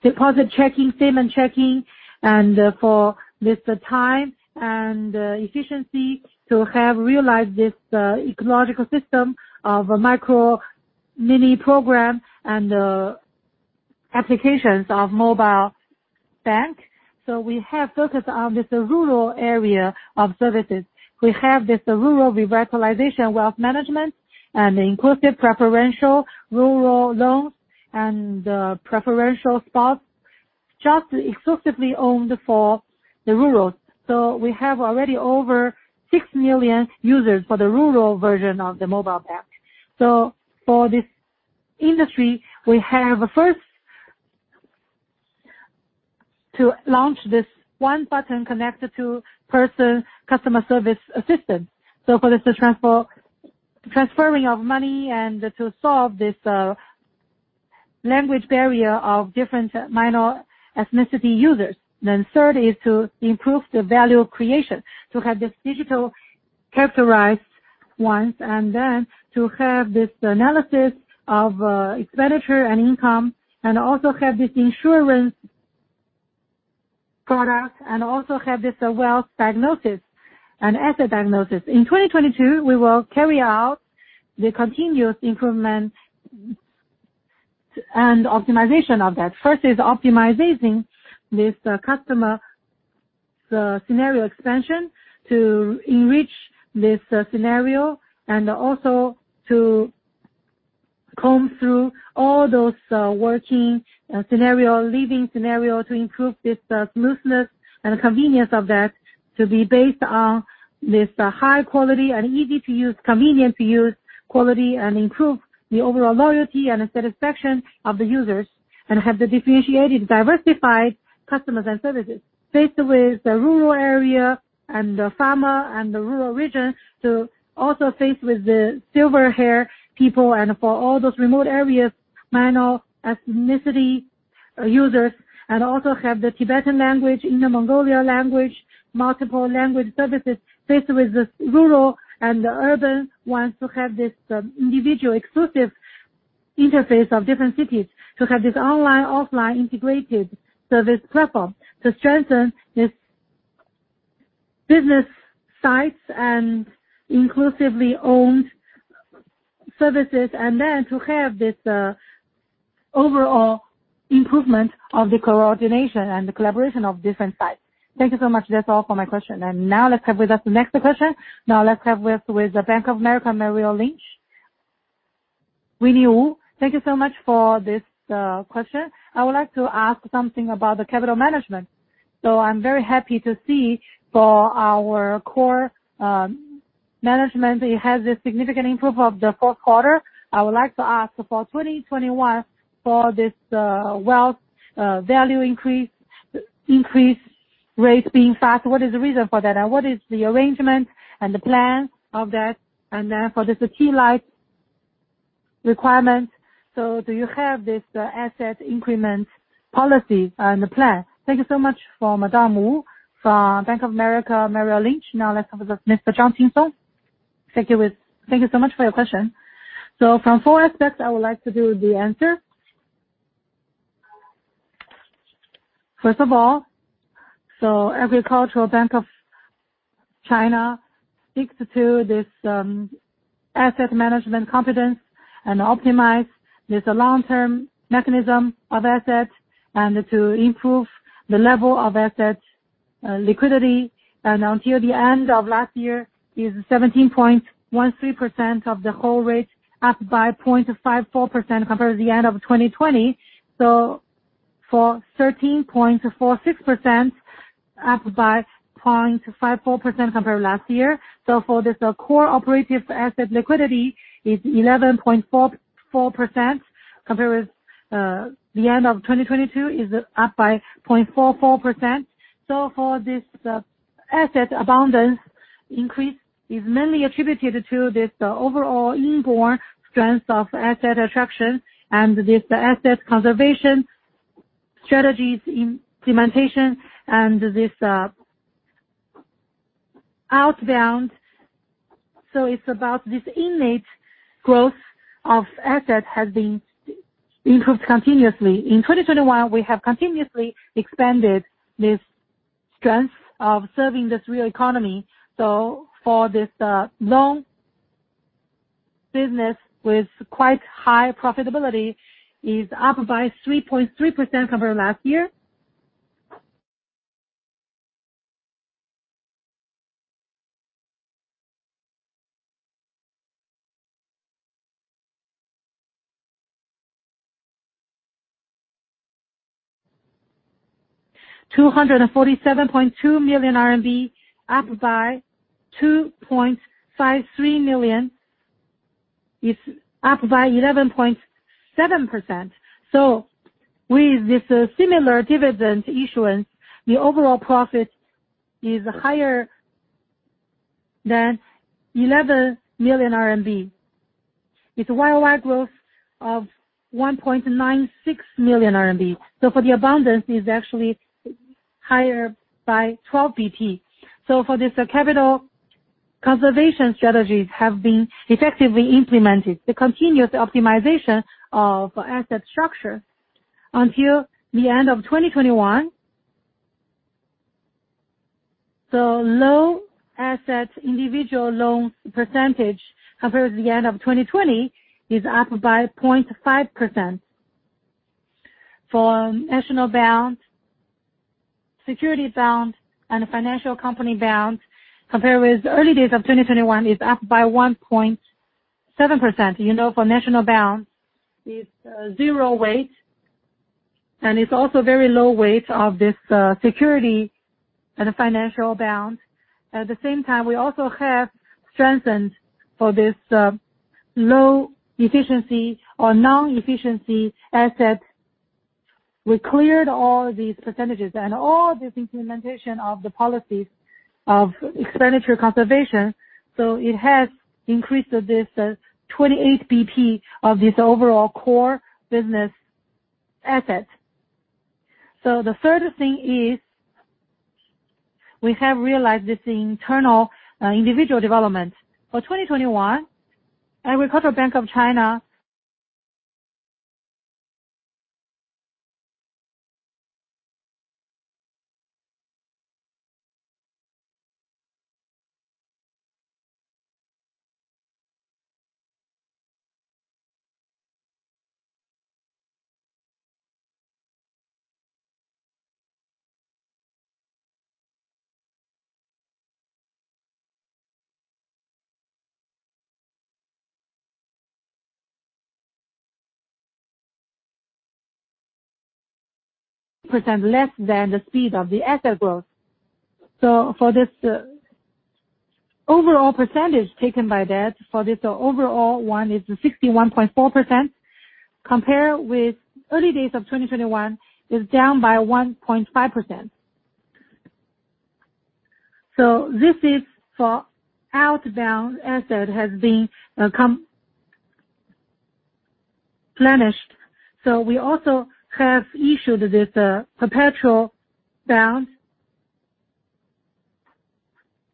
deposit checking, statement checking, and for this time and efficiency to have realized this ecosystem of micro mini program and applications of mobile bank. We have focused on this rural area of services. We have this rural revitalization wealth management and inclusive preferential rural loans and preferential spots just exclusively owned for the rural. We have already over 6 million users for the rural version of the mobile bank. For this industry, we have first to launch this one button connected to person customer service assistant. For this transferring of money and to solve this language barrier of different minor ethnicity users. Third is to improve the value creation, to have this digital characteristics once and then to have this analysis of expenditure and income, and also have this insurance product and also have this wealth diagnosis and asset diagnosis. In 2022, we will carry out the continuous improvement and optimization of that. First is optimization this customer scenario expansion to enrich this scenario and also to comb through all those working scenario, living scenario to improve this smoothness and convenience of that to be based on this high quality and easy-to-use, convenient-to-use quality and improve the overall loyalty and the satisfaction of the users, and have the differentiated diversified customers and services. Faced with the rural area and the farmer and the rural region to also faced with the silver hair people and for all those remote areas, minor ethnicity users, and also have the Tibetan language, Inner Mongolia language, multiple language services faced with this rural and the urban ones to have this, individual exclusive interface of different cities to have this online/offline integrated service platform to strengthen this business sites and inclusively owned services, and then to have this, overall improvement of the coordination and the collaboration of different sites. Thank you so much. That's all for my question. Now let's have with us the next question. Now let's have with the Bank of America Merrill Lynch. Winnie Wu, thank you so much for this question. I would like to ask something about the capital management. I'm very happy to see for our core management, it has a significant improvement of the fourth quarter. I would like to ask for 2021, for this wealth value increase rates being fast, what is the reason for that? And what is the arrangement and the plan of that? And then for this TLAC requirements, do you have this asset increment policy and plan? Thank you so much for Ms. Winnie Wu from Bank of America Merrill Lynch. Now let's have Mr. Zhang Qingsong. Thank you so much for your question. From four aspects, I would like to do the answer. First of all, Agricultural Bank of China sticks to this asset management confidence and optimize this long-term mechanism of assets and to improve the level of assets liquidity. Until the end of last year is 17.13% of the whole rate, up by 0.54% compared to the end of 2020. For 13.46%, up by 0.54% compared to last year. For this, the core operative asset liquidity is 11.44% compared with the end of 2022, is up by 0.44%. For this, asset abundance increase is mainly attributed to this overall inborn strength of asset attraction and this asset conservation strategies implementation and this outbound. It's about this innate growth of asset has been improved continuously. In 2021, we have continuously expanded this strength of serving this real economy. For this, loan business with quite high profitability is up by 3.3% compared to last year. 247.2 million RMB up by 2.53 million. It's up by 11.7%. With this similar dividend issuance, the overall profit is higher than 11 million RMB. It's a year-on-year growth of 1.96 million RMB. For the abundance is actually higher by 12 BP. For this, the capital conservation strategies have been effectively implemented, the continuous optimization of asset structure until the end of 2021. Low asset individual loans percentage compared to the end of 2020 is up by 0.5%. For national bonds, security bonds, and financial company bonds, compared with the early days of 2021 is up by 1.7%. You know, for national bonds, it's zero weight, and it's also very low weight of this security and financial bond. At the same time, we also have strengthened for this low efficiency or non-efficiency assets. We cleared all these percentages and all this implementation of the policies of expenditure conservation, so it has increased this 28 BP of this overall core business asset. The third thing is we have realized this internal individual development. For 2021, Agricultural Bank of China percent less than the speed of the asset growth. For this overall percentage taken by that, for this overall one is 61.4%. Compare with early days of 2021 is down by 1.5%. This is for outbound asset has been replenished. We also have issued this perpetual bond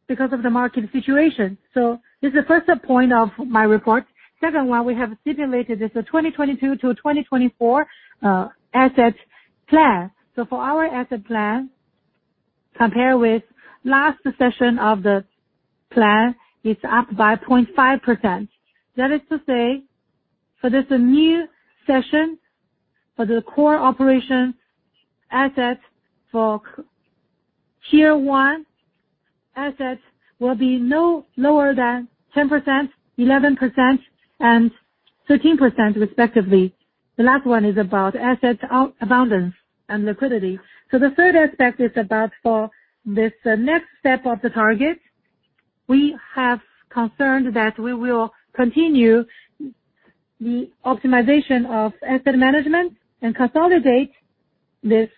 because of the market situation. This is the first point of my report. Second one, we have stipulated this 2022 to 2024 asset plan. For our asset plan, compared with last version of the plan is up by 0.5%. That is to say, for this new version, the core Tier 1 assets will be no lower than 10%, 11%, and 13%, respectively. The last one is about asset allocation and liquidity. The third aspect is about for this next step of the target. We have concerned that we will continue the optimization of asset management and consolidate this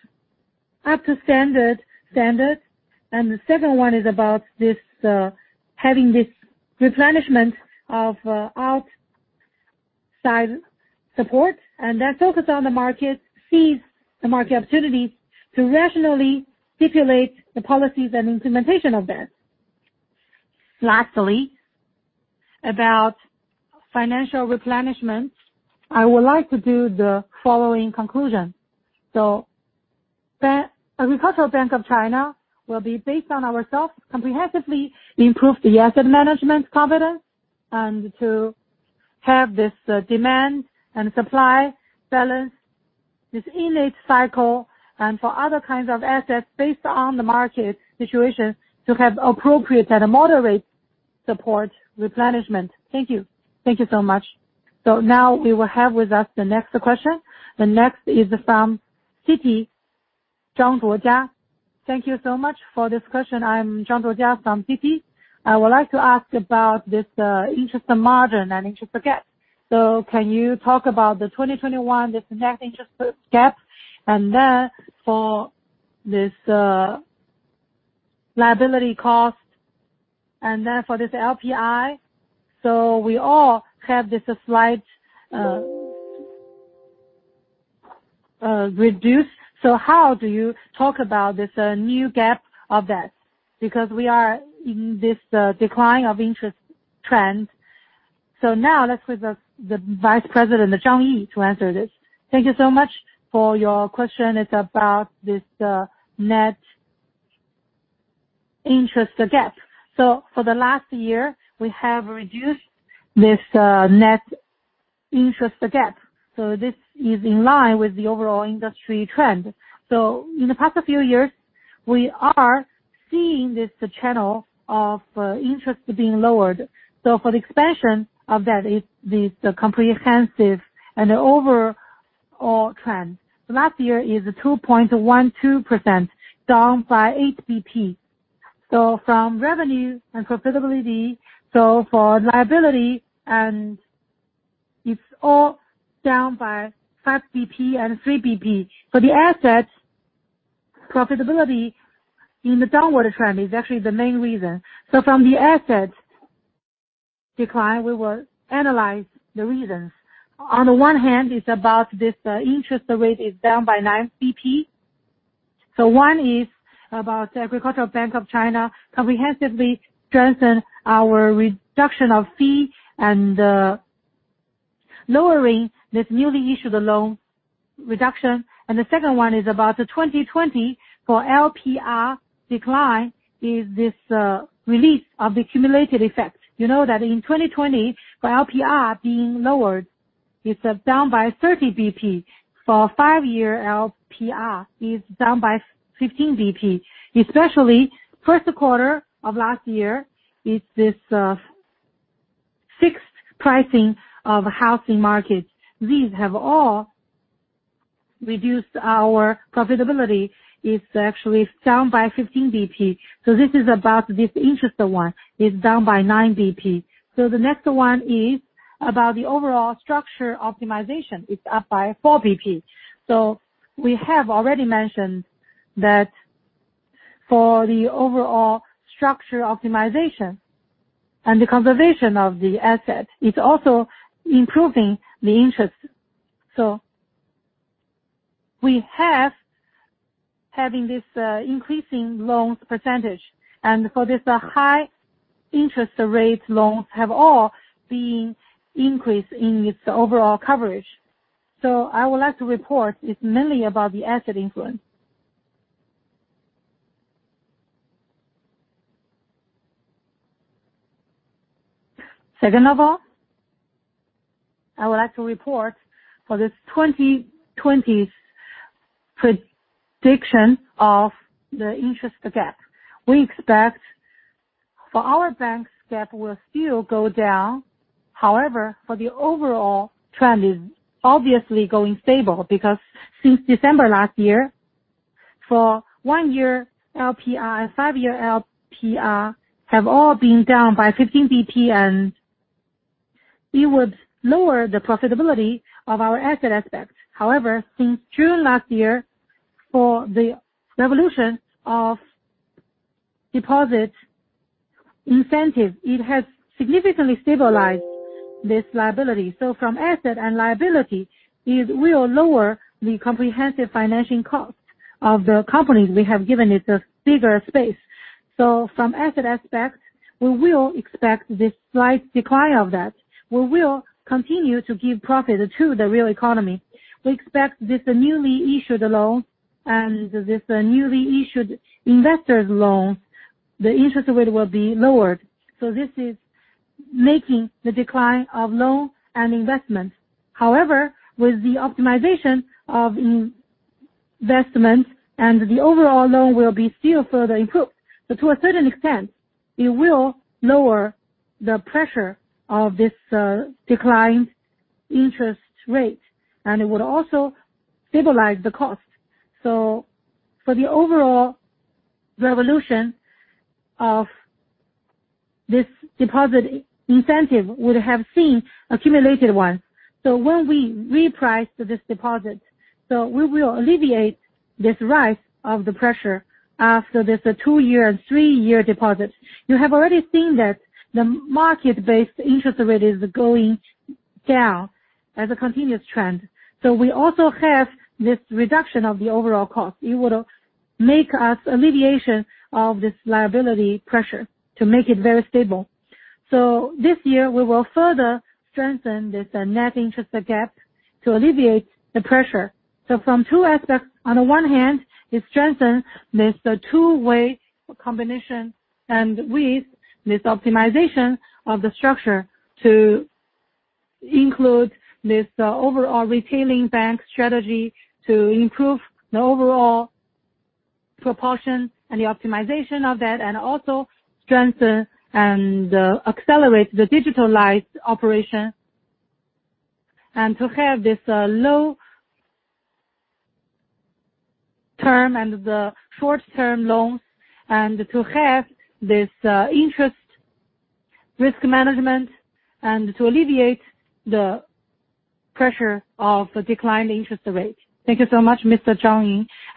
up to standard standards. The second one is about this, having this replenishment of outsize support and then focus on the market, seize the market opportunities to rationally stipulate the policies and implementation of that. Lastly, about financial replenishment, I would like to do the following conclusion. Agricultural Bank of China will be based on ourselves, comprehensively improve the asset management competence and to have this, demand and supply balance this innate cycle and for other kinds of assets based on the market situation to have appropriate at a moderate pace. Support replenishment. Thank you. Thank you so much. Now we will have with us the next question. The next is from Citi, Zhong Huajia. Thank you so much for this question. I'm Zhong Huajia from Citi. I would like to ask about this, interest margin and interest gap. Can you talk about the 2021, this net interest gap, and then for this, liability cost and then for this LPR. We all have this slight reduced. How do you talk about this, new gap of that? Because we are in this decline of interest trend. Now let's with the Vice President Zhang Yi to answer this. Thank you so much for your question. It's about this net interest gap. For the last year, we have reduced this net interest gap. This is in line with the overall industry trend. In the past few years, we are seeing this general trend of interest being lowered. The explanation for that is this comprehensive and overall trend. Last year is 2.12%, down by 8 BP. From revenue and profitability, for liability, and it's all down by 5 BP and 3 BP. For the assets, profitability in the downward trend is actually the main reason. From the assets decline, we will analyze the reasons. On the one hand, it's about this interest rate is down by 9 BP. One is about Agricultural Bank of China comprehensively strengthen our reduction of fee and lowering this newly issued loan reduction. The second one is about the 2020 LPR decline is this release of the cumulative effect. You know that in 2020 LPR being lowered, it's down by 30 BP. For five-year LPR is down by 15 BP. Especially first quarter of last year is this fixed pricing of housing markets. These have all reduced our profitability. It's actually down by 15 BP. This is about this interest one. It's down by 9 BP. The next one is about the overall structure optimization. It's up by 4 BP. We have already mentioned that for the overall structure optimization and the conservation of the asset, it's also improving the interest. We have this increasing loans percentage, and for this high interest rate, loans have all been increased in its overall coverage. I would like to report it's mainly about the asset influence. Second of all, I would like to report for this 2020's prediction of the interest gap. We expect for our bank's gap will still go down. However, for the overall trend is obviously going stable because since December last year, for one-year LPR, five-year LPR have all been down by 15 BP, and it would lower the profitability of our asset aspect. However, since June last year, for the reform of deposit interest, it has significantly stabilized this liability. From asset and liability, it will lower the comprehensive financing cost of the company. We have given it a bigger space. From asset aspect, we will expect this slight decline of that. We will continue to give profit to the real economy. We expect this newly issued loan and this newly issued investors loans, the interest rate will be lowered. This is making the decline of loan and investment. However, with the optimization of investments and the overall loan will be still further improved. To a certain extent, it will lower the pressure of this declined interest rate, and it would also stabilize the cost. For the overall revolution of this deposit incentive would have seen accumulated ones. When we reprice this deposit, we will alleviate this rise of the pressure after this two-year and three-year deposit. You have already seen that the market-based interest rate is going down as a continuous trend. We also have this reduction of the overall cost. It would make us alleviation of this liability pressure to make it very stable. This year we will further strengthen this net interest gap to alleviate the pressure. From two aspects, on the one hand, it strengthen this two-way combination, and with this optimization of the structure to include this overall retail banking strategy to improve the overall proportion and the optimization of that, and also strengthen and accelerate the digitalized operation. To have this low-cost and the short-term loans and to have this interest rate risk management and to alleviate the pressure of the declining interest rate. Thank you so much, Mr. Zhang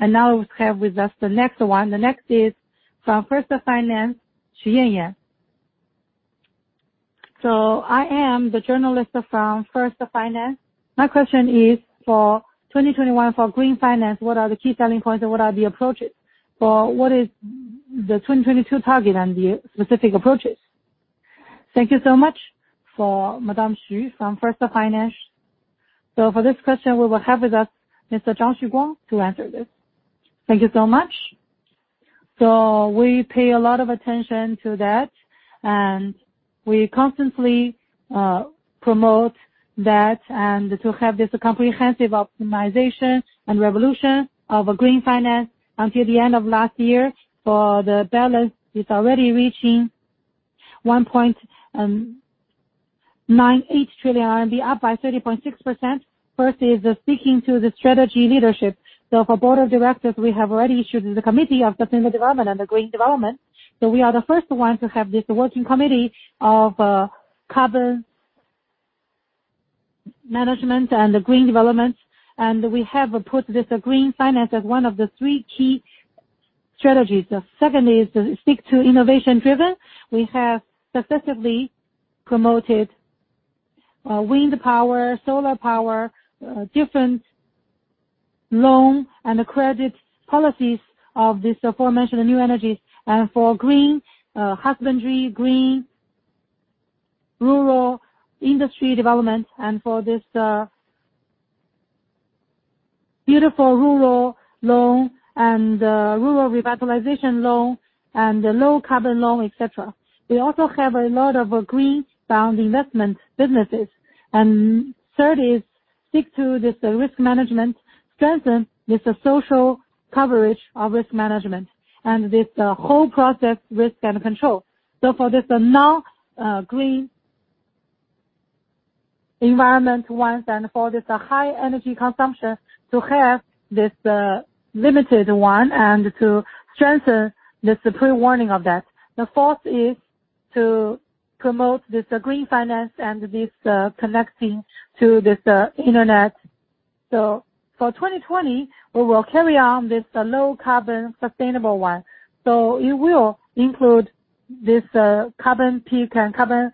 Yi. Now we have with us the next one. The next is from First Finance, Xu Tianyan. I am the journalist from First Finance. My question is for 2021 for green finance, what are the key selling points and what are the approaches? What is the 2022 target and the specific approaches? Thank you so much for Madame Xu from First Finance. For this question, we will have with us Mr. Zhang Xuguang to answer this. Thank you so much. We pay a lot of attention to that, and we constantly promote that and to have this comprehensive optimization and revolution of green finance until the end of last year, the balance is already reaching 1.98 trillion RMB, up by 30.6%. First is speaking to the strategy leadership. For Board of Directors, we have already issued the Committee of Sustainable Development and the Green Development. We are the first ones to have this working committee of carbon management and the green development. We have put this green finance as one of the three key strategies. The second is stick to innovation driven. We have successively promoted wind power, solar power, different loan and credit policies of this aforementioned new energy and for green husbandry, green rural industry development and for this beautiful rural loan and rural revitalization loan and the low carbon loan, et cetera. We also have a lot of green bond investment businesses. Third is stick to this risk management, strengthen this social coverage of risk management and this whole process risk and control. For non-green environmental ones and for high energy consumption to have limited one and to strengthen pre-warning of that. The fourth is to promote green finance and connecting to internet. For 2020, we will carry on low-carbon sustainable one. It will include carbon peak and carbon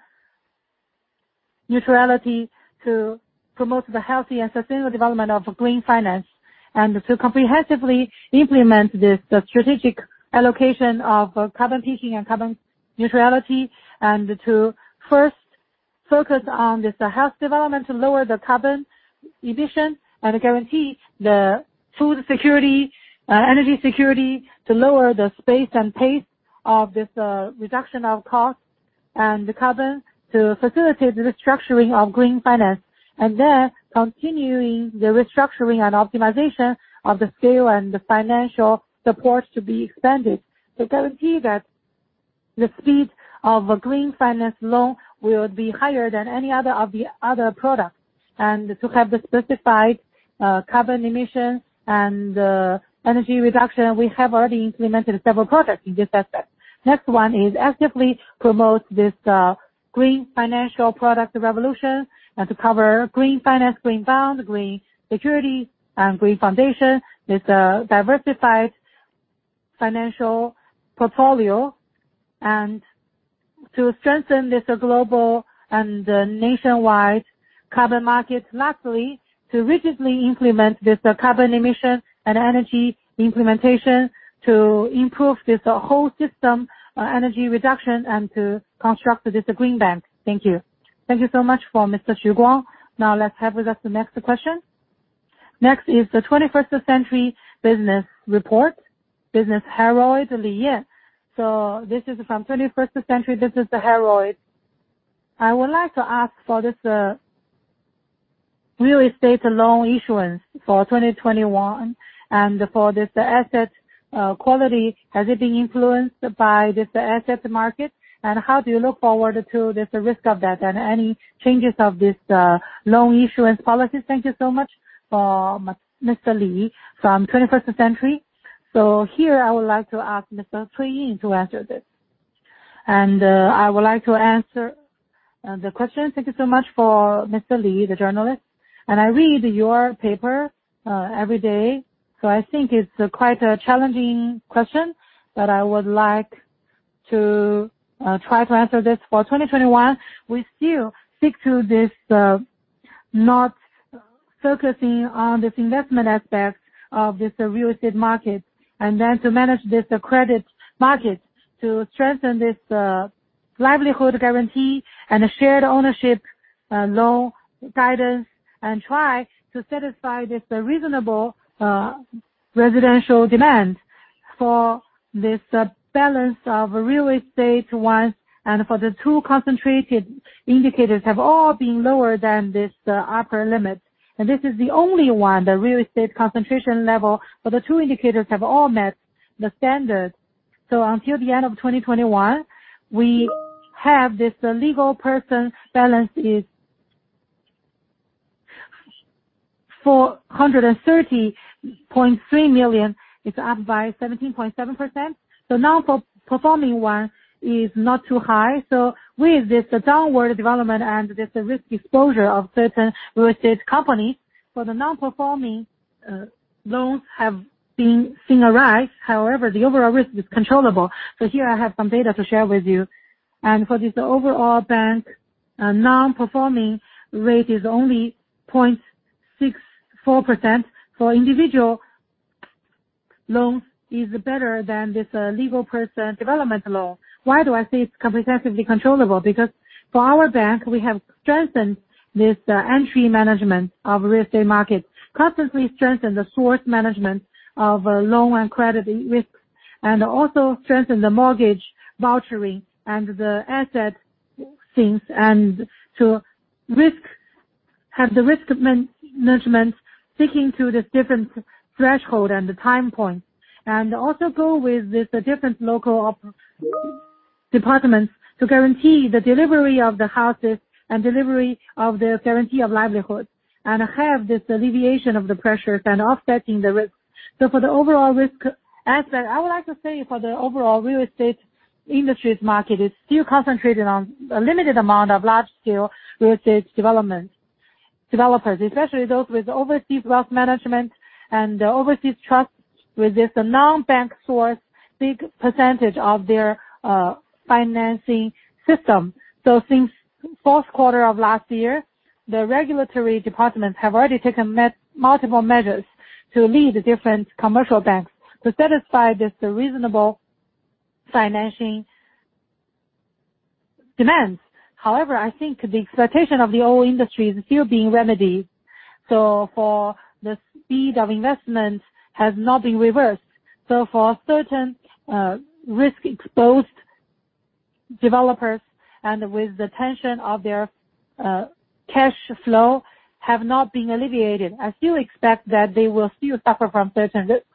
neutrality to promote the healthy and sustainable development of green finance and to comprehensively implement strategic allocation of carbon peaking and carbon neutrality, and to first focus on healthy development to lower the carbon emission and guarantee the food security, energy security, to accelerate the pace of reduction of costs and the carbon to facilitate the restructuring of green finance, and then continuing the restructuring and optimization of the scale and the financial support to be expanded. To guarantee that the speed of a green finance loan will be higher than any other of the other products, and to have the specified, carbon emissions and, energy reduction, we have already implemented several products in this aspect. Next one is actively promote this, green financial product revolution and to cover green finance, green bond, green securities and green foundation. This, diversified financial portfolio and to strengthen this global and nationwide carbon market. Lastly, to rigidly implement this carbon emission and energy implementation to improve this whole system, energy reduction and to construct this green bank. Thank you. Thank you so much for Mr. Zhang Xuguang. Now let's have with us the next question. Next is the 21st Century Business Herald, Li Yan. So this is from 21st Century Business Herald. I would like to ask for this real estate loan issuance for 2021 and for this asset quality, has it been influenced by this asset market? How do you look forward to this risk of that and any changes of this loan issuance policy? Thank you so much for Mr. Li from 21st Century Business Herald. Here I would like to ask Mr. Cui Yong to answer this. I would like to answer the question. Thank you so much for Mr. Li, the journalist. I read your paper every day, so I think it's quite a challenging question, but I would like to try to answer this. For 2021, we still stick to this, not focusing on this investment aspect of this real estate market and then to manage this credit budget to strengthen this, livelihood guarantee and shared ownership, loan guidance and try to satisfy this reasonable, residential demand for this, balance of real estate ones and for the two concentrated indicators have all been lower than this, upper limit. This is the only one, the real estate concentration level, but the two indicators have all met the standard. Until the end of 2021, we have this legal person balance is 430.3 million. It's up by 17.7%. Now performing one is not too high. With this downward development and this risk exposure of certain real estate companies, for the non-performing, loans have been seeing a rise. However, the overall risk is controllable. Here I have some data to share with you. For this overall bank, non-performing rate is only 0.64%. For individual loans is better than this, legal person development loan. Why do I say it's comprehensively controllable? Because for our bank, we have strengthened this entry management of real estate market. Constantly strengthened the source management of loan and credit risks, and also strengthened the mortgage vouchering and the asset things and have the risk management sticking to this different threshold and the time points. Also go with this different local departments to guarantee the delivery of the houses and delivery of the guarantee of livelihoods, and have this alleviation of the pressures and offsetting the risks. For the overall risk aspect, I would like to say for the overall real estate industries market is still concentrated on a limited amount of large-scale real estate development developers, especially those with overseas wealth management and overseas trust with this non-bank source, big percentage of their financing system. Since fourth quarter of last year, the regulatory departments have already taken multiple measures to lead different commercial banks to satisfy this reasonable financing demands. However, I think the expectation of the old industry is still being remedied. For the speed of investment has not been reversed. For certain risk-exposed developers and with the tension of their cash flow have not been alleviated, I still expect that they will still suffer from certain risks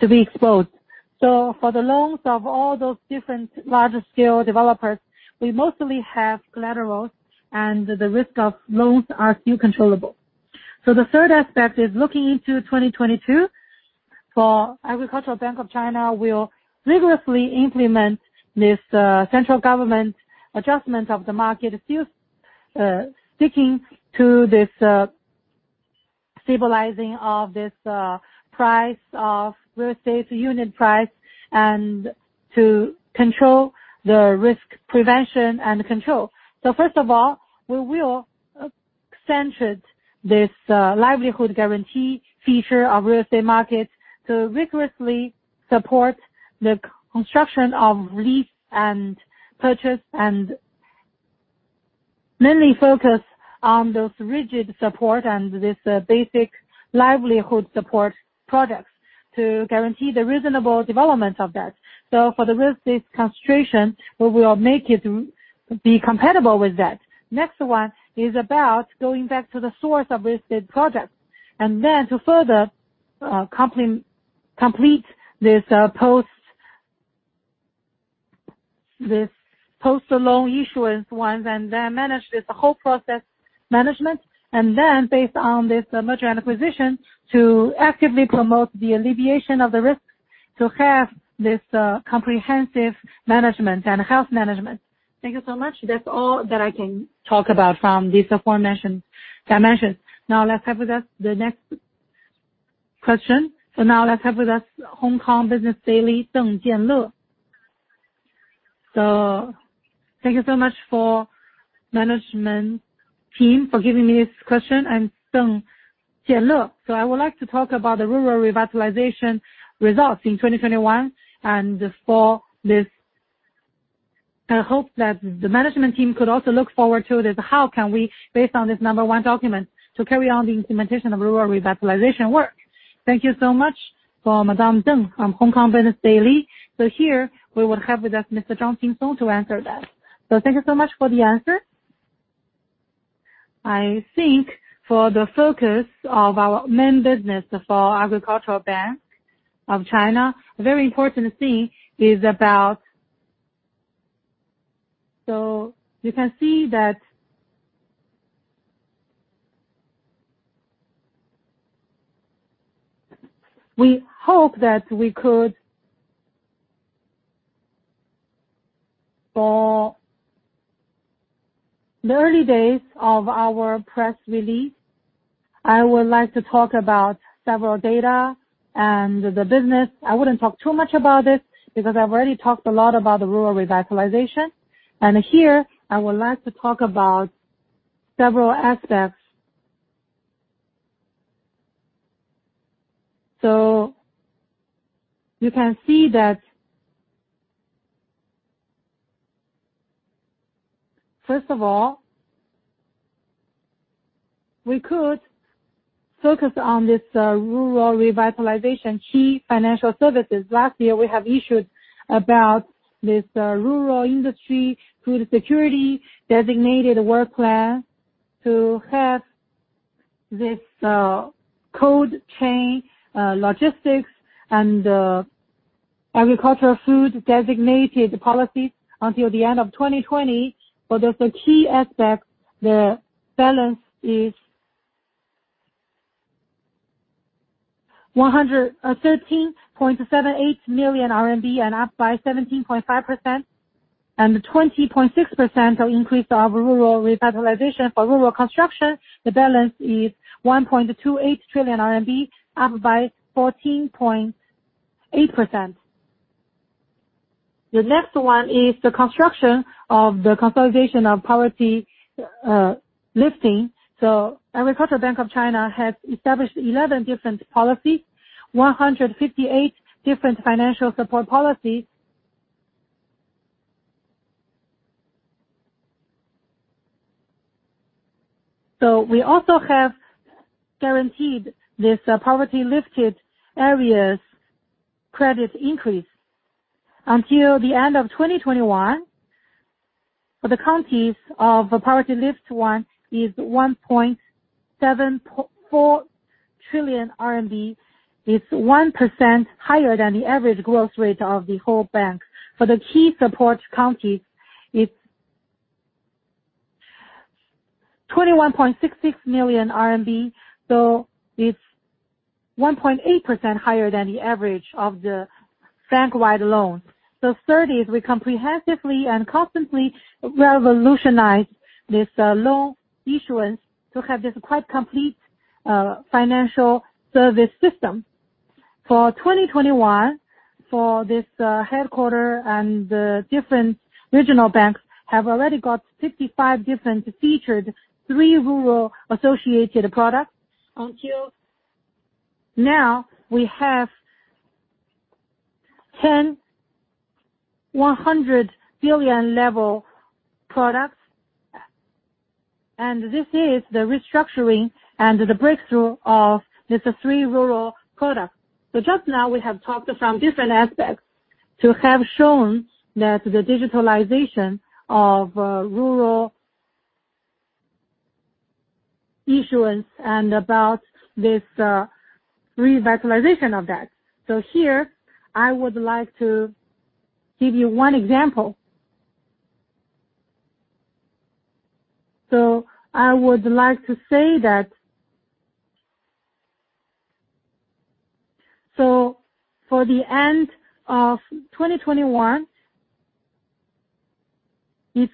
to be exposed. For the loans of all those different larger scale developers, we mostly have collaterals and the risk of loans are still controllable. The third aspect is looking into 2022. For Agricultural Bank of China will rigorously implement this central government adjustment of the market, still sticking to this stabilizing of this price of real estate unit price and to control the risk prevention and control. First of all, we will center this livelihood guarantee feature of real estate market to rigorously support the construction of lease and purchase, and mainly focus on those rigid support and this basic livelihood support products to guarantee the reasonable development of that. For the real estate concentration, we will make it be compatible with that. Next one is about going back to the source of real estate projects and then to further complete this post-loan issuance one, then manage this whole process management, and then based on this merger and acquisition, to actively promote the alleviation of the risk to have this comprehensive management and health management. Thank you so much. That's all that I can talk about from these aforementioned dimensions. Now let's have the next question. Now let's have with us Hong Kong Business Daily, Deng Jianle. Thank you so much for management team for giving me this question. I'm Deng Jianle. I would like to talk about the rural revitalization results in 2021 and for this I hope that the management team could also look forward to this. How can we, based on this number one document, to carry on the implementation of rural revitalization work? Thank you so much for Madam Deng from Hong Kong Business Daily. Here we will have with us Mr. Zhang Qingsong to answer that. Thank you so much for the answer. I think for the focus of our main business for Agricultural Bank of China, a very important thing is about. We hope that we could. For the early days of our press release, I would like to talk about several data and the business. I wouldn't talk too much about it because I've already talked a lot about the rural revitalization. Here, I would like to talk about several aspects. First of all, we could focus on this rural revitalization key financial services. Last year, we have issued about this rural industry food security designated work plan. This cold chain logistics and agricultural food designated policies until the end of 2020. As the key aspect, the balance is 113.78 million RMB and up by 17.5%. The 20.6% of increase of rural revitalization for rural construction, the balance is 1.28 trillion RMB, up by 14.8%. The next one is the construction of the consolidation of poverty lifting. Agricultural Bank of China has established 11 different policies, 158 different financial support policies. We also have guaranteed this poverty lifted areas credit increase until the end of 2021. For the counties of the poverty lift one is 1.74 trillion RMB. It's 1% higher than the average growth rate of the whole bank. For the key support counties, it's 21.66 million RMB, so it's 1.8% higher than the average of the bank-wide loans. Third is we comprehensively and constantly revolutionize this loan issuance to have this quite complete financial service system. For 2021, for this, headquarters and the different regional banks have already got 55 different featured three rural associated products. Until now, we have 10 100 billion level products. This is the restructuring and the breakthrough of this three rural products. Just now we have talked from different aspects to have shown that the digitalization of rural issuance and about this revitalization of that. Here, I would like to give you one example. I would like to say that... For the end of 2021, it's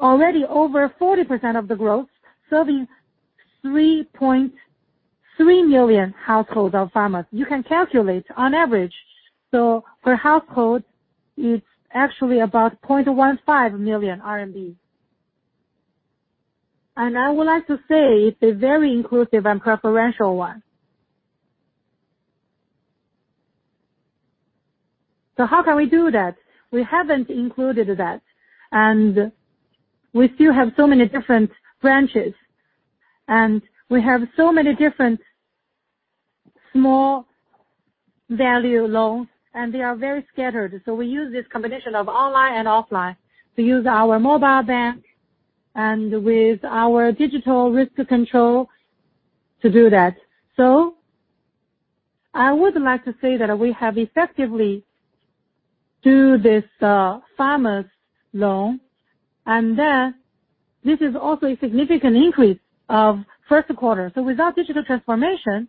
already over 40% of the growth, serving 3.3 million households of farmers. You can calculate on average, so per household it's actually about 0.15 million RMB. I would like to say it's a very inclusive and preferential one. How can we do that? We haven't included that, and we still have so many different branches, and we have so many different small value loans, and they are very scattered. We use this combination of online and offline to use our mobile bank and with our digital risk control to do that. I would like to say that we have effectively do this, farmers loan, and then this is also a significant increase of first quarter. Without digital transformation,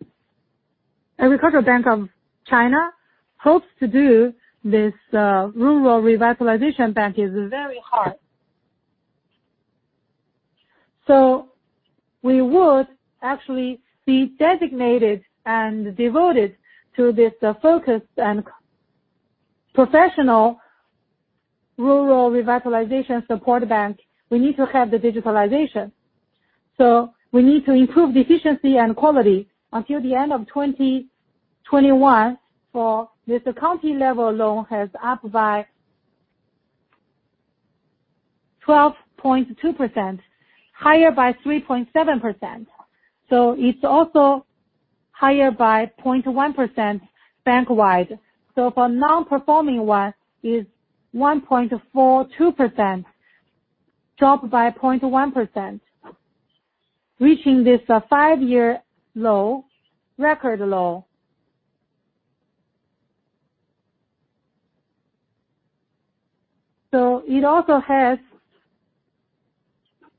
Agricultural Bank of China hopes to do this, rural revitalization bank is very hard. We would actually be designated and devoted to this, focus and professional rural revitalization support bank. We need to have the digitalization. We need to improve the efficiency and quality until the end of 2021 for this county-level loan has up by 12.2%, higher by 3.7%. It's also higher by 0.1% bank-wide. For non-performing loan is 1.42%, dropped by 0.1%, reaching this five-year low, record low. It also has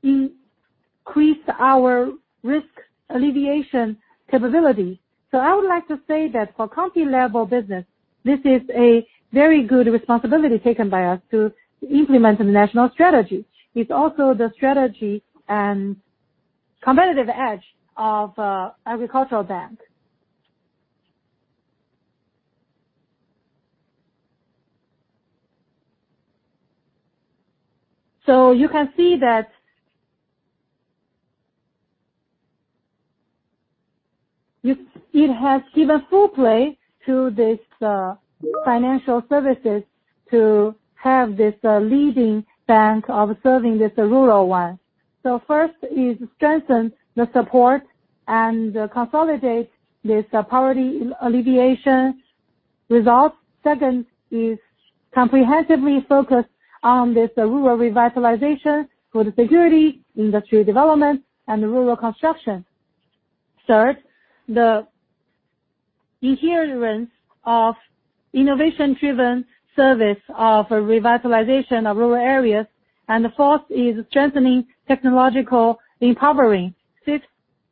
increased our risk alleviation capability. I would like to say that for county-level business, this is a very good responsibility taken by us to implement the national strategy. It's also the strategy and competitive edge of Agricultural Bank. You can see that. It has given full play to this financial services to have this leading bank of serving this rural one. First is strengthen the support and consolidate this poverty alleviation results. Second is comprehensively focused on this rural revitalization, food security, industry development, and rural construction. Third, the adherence of innovation-driven service of revitalization of rural areas. Fourth is strengthening technological empowerment. Fifth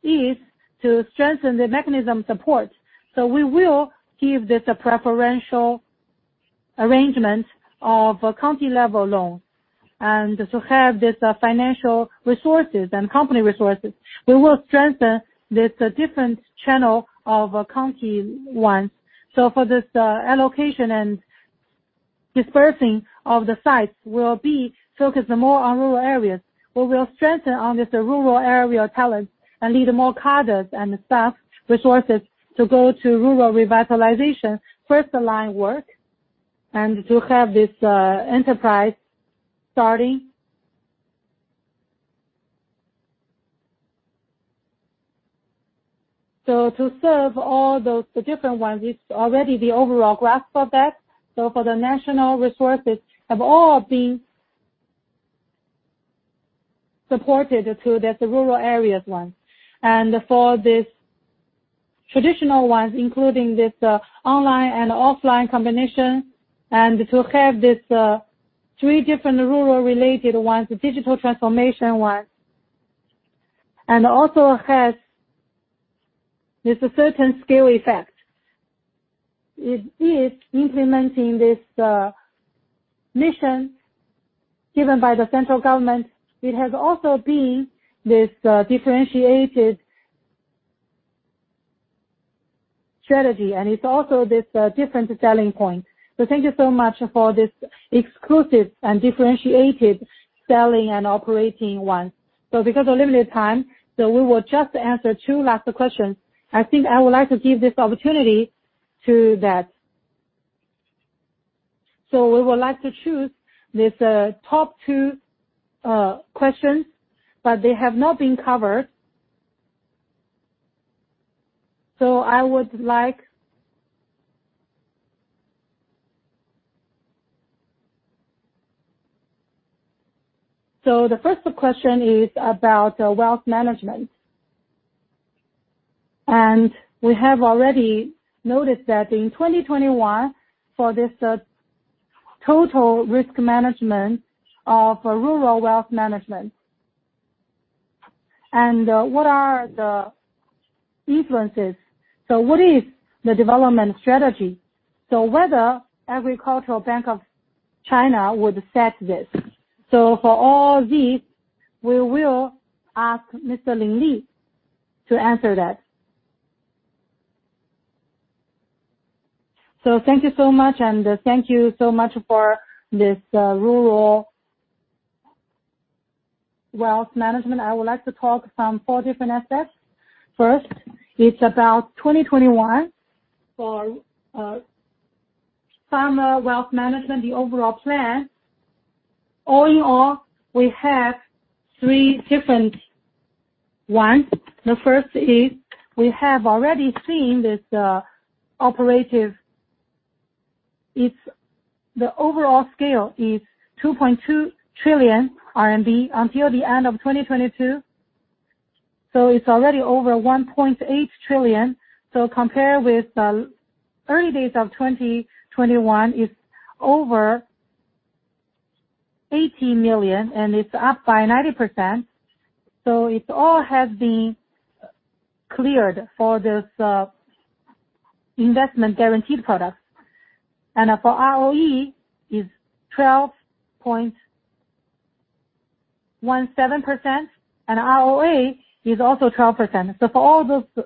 is to strengthen the mechanism support. We will give this a preferential arrangement of county level loan. To have this financial resources and county resources, we will strengthen this different channel of county ones. For this, allocation and dispersing of the sites will be focused more on rural areas. We will strengthen on this rural area talents and lead more cadres and staff resources to go to rural revitalization frontline work and to have this, enterprise starting. To serve all those, the different ones, it's already the overall grasp of that. For the national resources have all been supported to this rural areas one. For this traditional ones, including this, online and offline combination, and to have this, three different rural related ones, digital transformation ones. Also has this certain scale effect. It is implementing this, mission given by the central government. It has also been this, differentiated strategy, and it's also this, different selling point. Thank you so much for this exclusive and differentiated selling and operating one. Because of limited time, we will just answer two last questions. I think I would like to give this opportunity to that. We would like to choose this top two questions, but they have not been covered. The first question is about wealth management. We have already noticed that in 2021, for this total risk management of rural wealth management and what are the influences. What is the development strategy. Whether Agricultural Bank of China would set this. For all this, we will ask Mr. Lin Li to answer that. Thank you so much, and thank you so much for this rural wealth management. I would like to talk from four different aspects. First, it's about 2021 for farmer wealth management, the overall plan. All in all, we have three different ones. The first is we have already seen this operative. The overall scale is 2.2 trillion RMB until the end of 2022. It's already over 1.8 trillion. Compared with early days of 2021, it's over 80 million, and it's up by 90%. It all has been cleared for this investment-guaranteed product. For ROE is 12.17%, and ROA is also 12%. For all those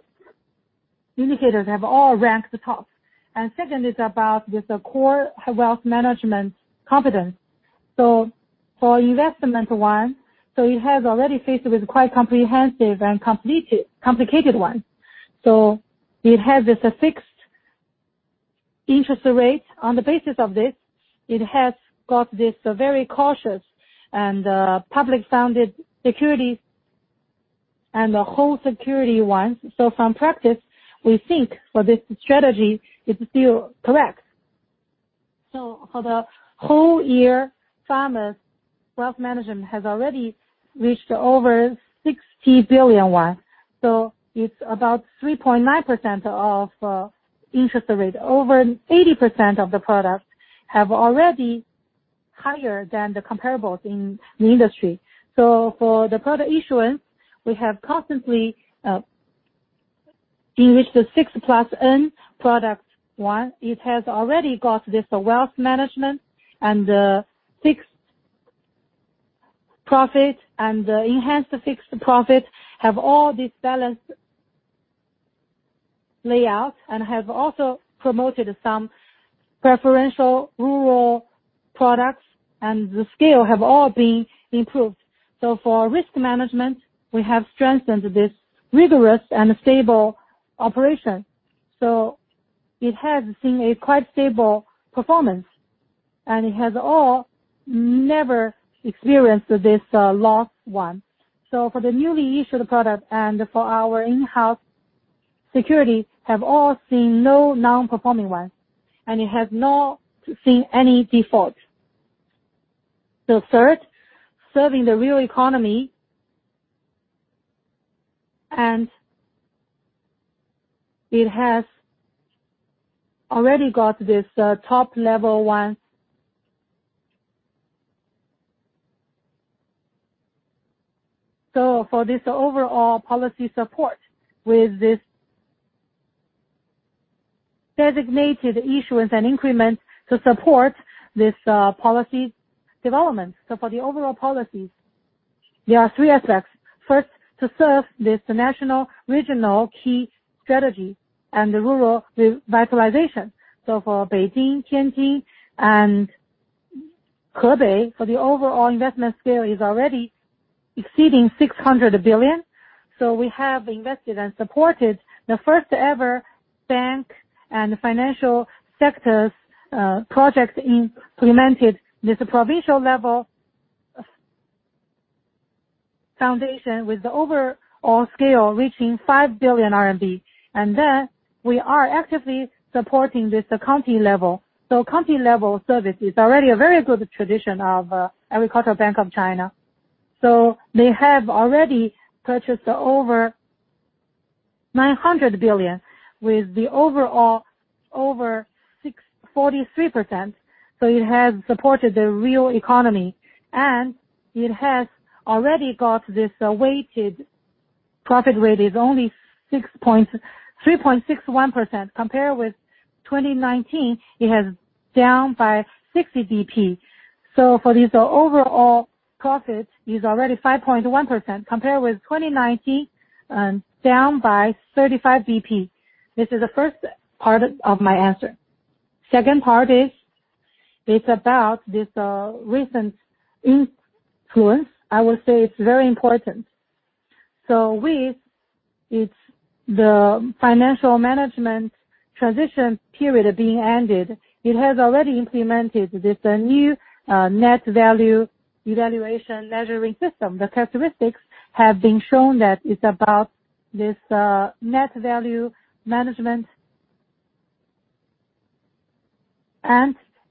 indicators have all ranked the top. Second is about this core wealth management competence. For investment one, it has already faced with quite comprehensive and complicated one. It has this fixed interest rate. On the basis of this, it has got this very cautious and public-founded security and the whole security one. From practice, we think for this strategy, it's still correct. For the whole year, farmers' wealth management has already reached over CNY 60 billion. It's about 3.9% of interest rate. Over 80% of the products have already higher than the comparables in the industry. For the product issuance, we have constantly in which the six plus N product one, it has already got this wealth management and fixed profit and enhanced fixed profit, have all this balanced layout and have also promoted some preferential rural products, and the scale have all been improved. For risk management, we have strengthened this rigorous and stable operation, it has seen a quite stable performance. It has all never experienced this loss one. For the newly issued product and for our in-house security have all seen no non-performing ones, and it has not seen any default. Third, serving the real economy. It has already got this top level one. For this overall policy support, with this designated issuance and increment to support this policy development. For the overall policies, there are three aspects. First, to serve this national, regional key strategy and the rural revitalization. For Beijing, Tianjin, and Hebei, the overall investment scale is already exceeding 600 billion. We have invested and supported the first ever banking and financial sectors projects implemented at this provincial level foundation, with the overall scale reaching 5 billion RMB. We are actively supporting county level. County level service is already a very good tradition of Agricultural Bank of China. They have already purchased over 900 billion, with the overall over 643%. It has supported the real economy, and it has already got this weighted profit rate is only 3.61%. Compared with 2019, it has down by 60 BP. For this overall profit is already 5.1%, compared with 2019, down by 35 BP. This is the first part of my answer. Second part is, it's about this recent influence. I would say it's very important. With the financial management transition period being ended, it has already implemented this new net value evaluation measuring system. The characteristics have been shown that it's about this net value management.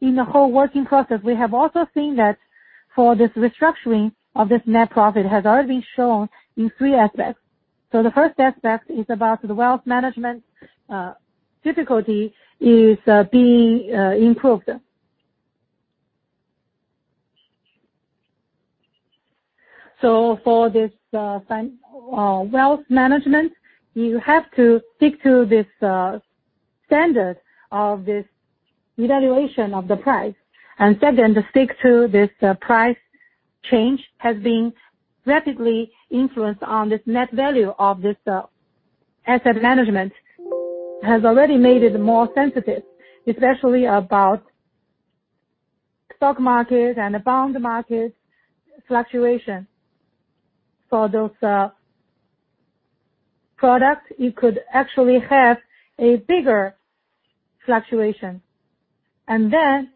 In the whole working process, we have also seen that for this restructuring of this net profit has already shown in three aspects. The first aspect is about the wealth management difficulty is being improved. For this wealth management, you have to stick to this standard of this evaluation of the price. Second, to stick to this price change has been rapidly influenced on this net value of this asset management. Has already made it more sensitive, especially about stock market and bond market fluctuation. For those products, you could actually have a bigger fluctuation. Recently,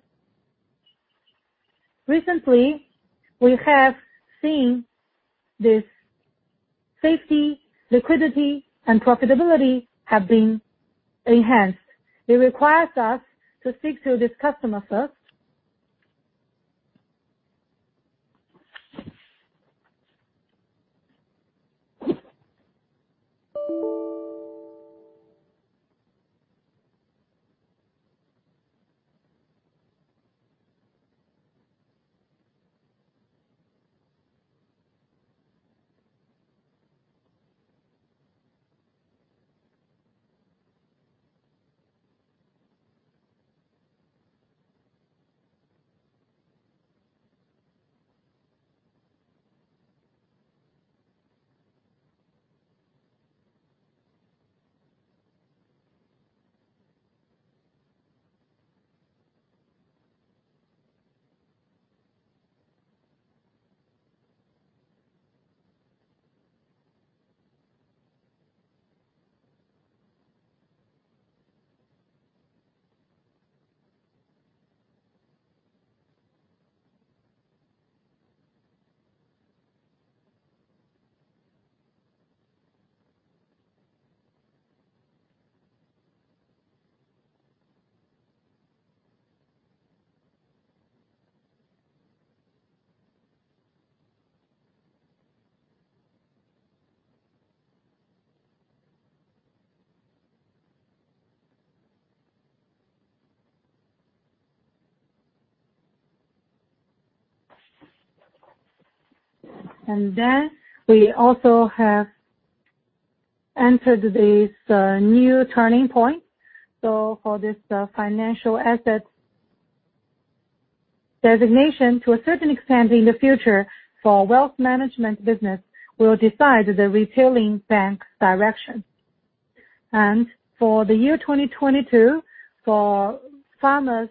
we have seen this safety, liquidity and profitability have been enhanced. It requires us to stick to this customer first. We also have entered this new turning point. For this financial assets designation, to a certain extent in the future, for wealth management business, we will decide the retailing bank direction. For the year 2022, for farmers'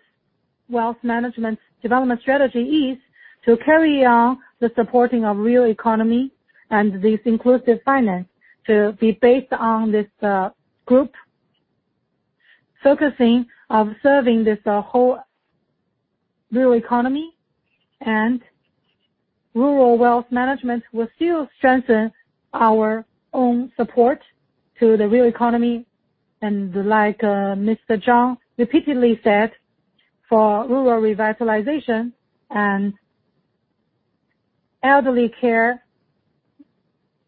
wealth management development strategy is to carry on the supporting of real economy and this inclusive finance, to be based on this, focusing of serving this whole real economy and rural wealth management will still strengthen our own support to the real economy. Like, Mr. Zhang repeatedly said, for rural revitalization and elderly care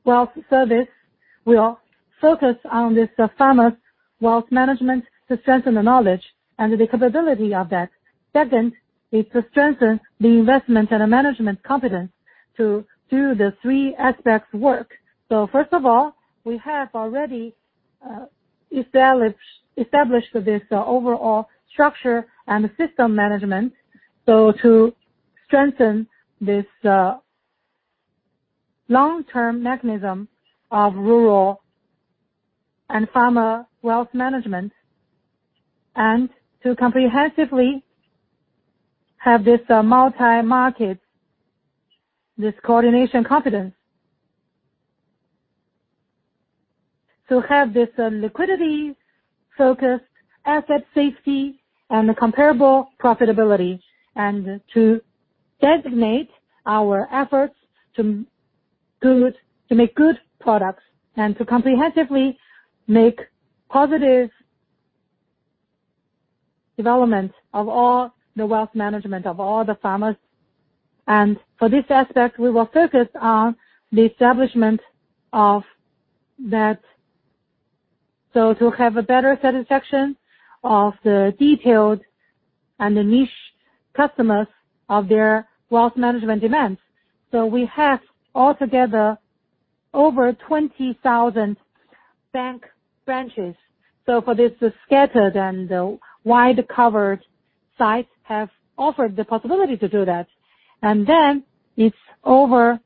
wealth service, we are focused on this farmers' wealth management to strengthen the knowledge and the capability of that. Second is to strengthen the investment and the management competence to do the three aspects work. First of all, we have already established this overall structure and system management, so to strengthen this long-term mechanism of rural and farmer wealth management and to comprehensively have this multi-market, this coordination confidence. To have this liquidity-focused asset safety and comparable profitability, and to designate our efforts to make good products and to comprehensively make positive development of all the wealth management of all the farmers. For this aspect, we will focus on the establishment of that, so to have a better satisfaction of the retail and the niche customers of their wealth management demands. We have altogether over 20,000 bank branches. For this scattered and widely covered sites have offered the possibility to do that. Then it's over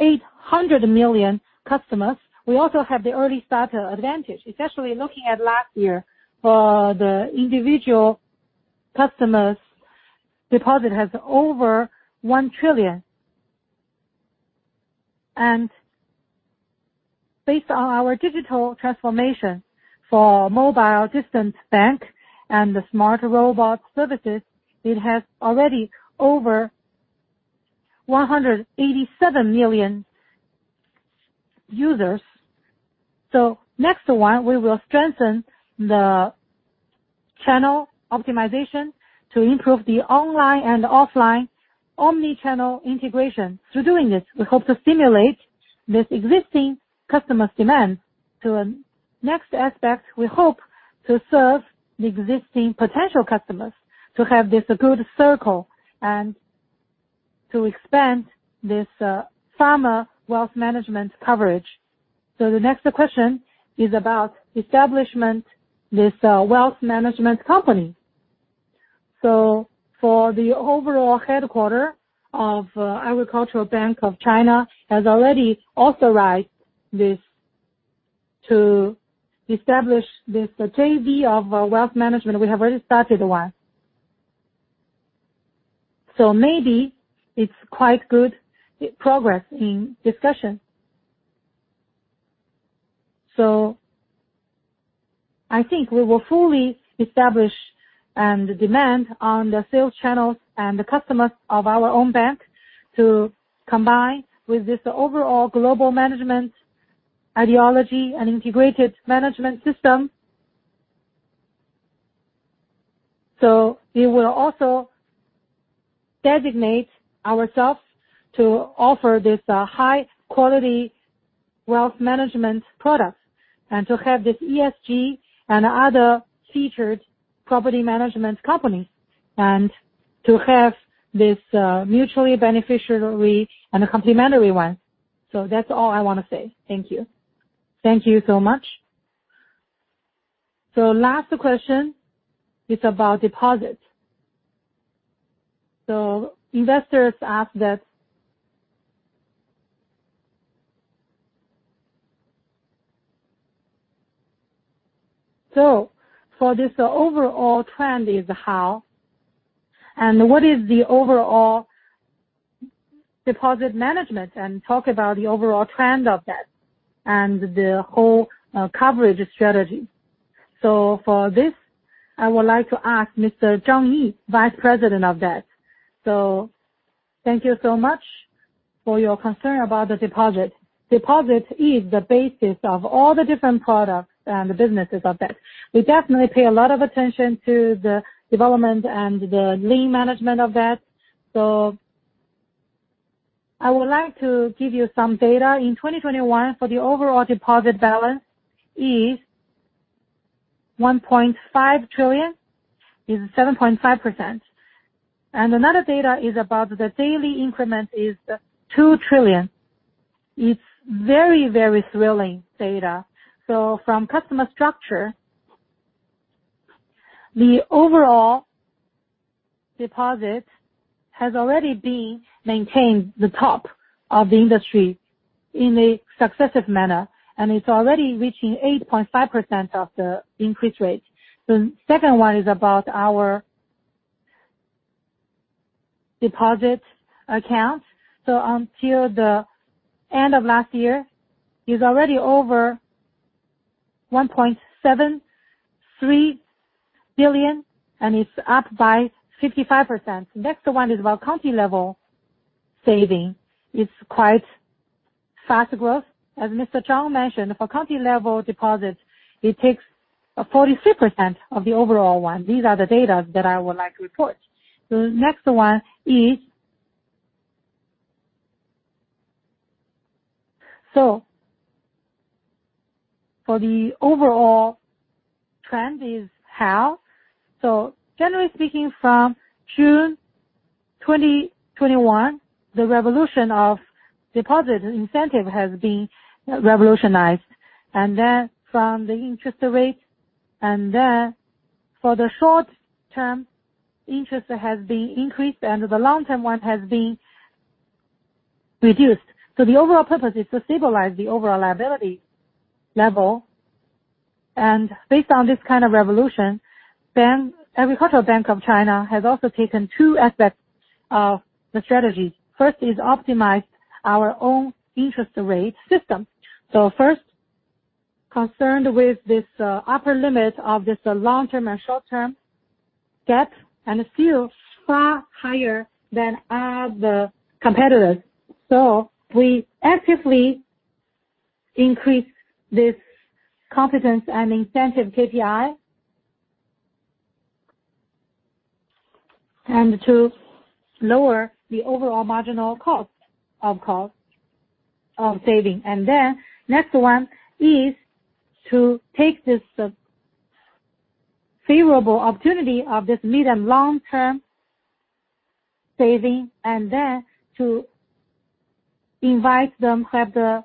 800 million customers. We also have the early starter advantage, especially looking at last year for the individual customers, deposit has over CNY 1 trillion. Based on our digital transformation for mobile banking and the smart robot services, it has already over 187 million users. Next one, we will strengthen the channel optimization to improve the online and offline omni-channel integration. Through doing this, we hope to stimulate the existing customers' demand. To the next aspect, we hope to serve the existing potential customers, to have this good circle and to expand this farmer wealth management coverage. The next question is about the establishment of this wealth management company. The overall headquarters of Agricultural Bank of China has already authorized the establishment of this JV for wealth management. We have already started one. Maybe it's quite good progress in discussion. I think we will fully establish and depend on the sales channels and the customers of our own bank to combine with this overall global management ideology and integrated management system. We will also dedicate ourselves to offer this, high-quality wealth management product, and to have this ESG and other featured property management companies, and to have this, mutually beneficial and complementary one. That's all I wanna say. Thank you. Thank you so much. Last question is about deposits. Investors ask that. For this overall trend is how and what is the overall deposit management, and talk about the overall trend of that and the whole, coverage strategy. For this, I would like to ask Mr. Zhang Yi, Vice President of that. Thank you so much for your concern about the deposit. Deposit is the basis of all the different products and the businesses of that. We definitely pay a lot of attention to the development and the lean management of that. I would like to give you some data. In 2021, the overall deposit balance is CNY 1.5 trillion, up 7.5%. Another data is the daily increment of 2 trillion. It's very, very thrilling data. From customer structure, the overall deposit has already been maintained the top of the industry in a successive manner, and it's already reaching 8.5% of the increase rate. The second one is about our deposit accounts. Until the end of last year, it's already over 1.73 billion, and it's up by 55%. Next one is about county-level savings. It's quite fast growth. As Mr. Zhang mentioned, for county-level deposits, it takes a 43% of the overall one. These are the data that I would like to report. The next one is for the overall trend is how. Generally speaking, from June 2021, the evolution of deposit incentive has evolved. From the interest rate, for the short term interest has been increased and the long-term one has been reduced. The overall purpose is to stabilize the overall liability level. Based on this kind of evolution, Agricultural Bank of China has also taken two aspects of the strategy. First is optimize our own interest rate system. First, concerned with this, upper limit of this long-term and short-term deposit, and it's still far higher than other competitors. We actively increase this competitiveness and incentive KPI. To lower the overall marginal cost of savings. Next one is to take this favorable opportunity of this medium- and long-term savings and then to invite them have the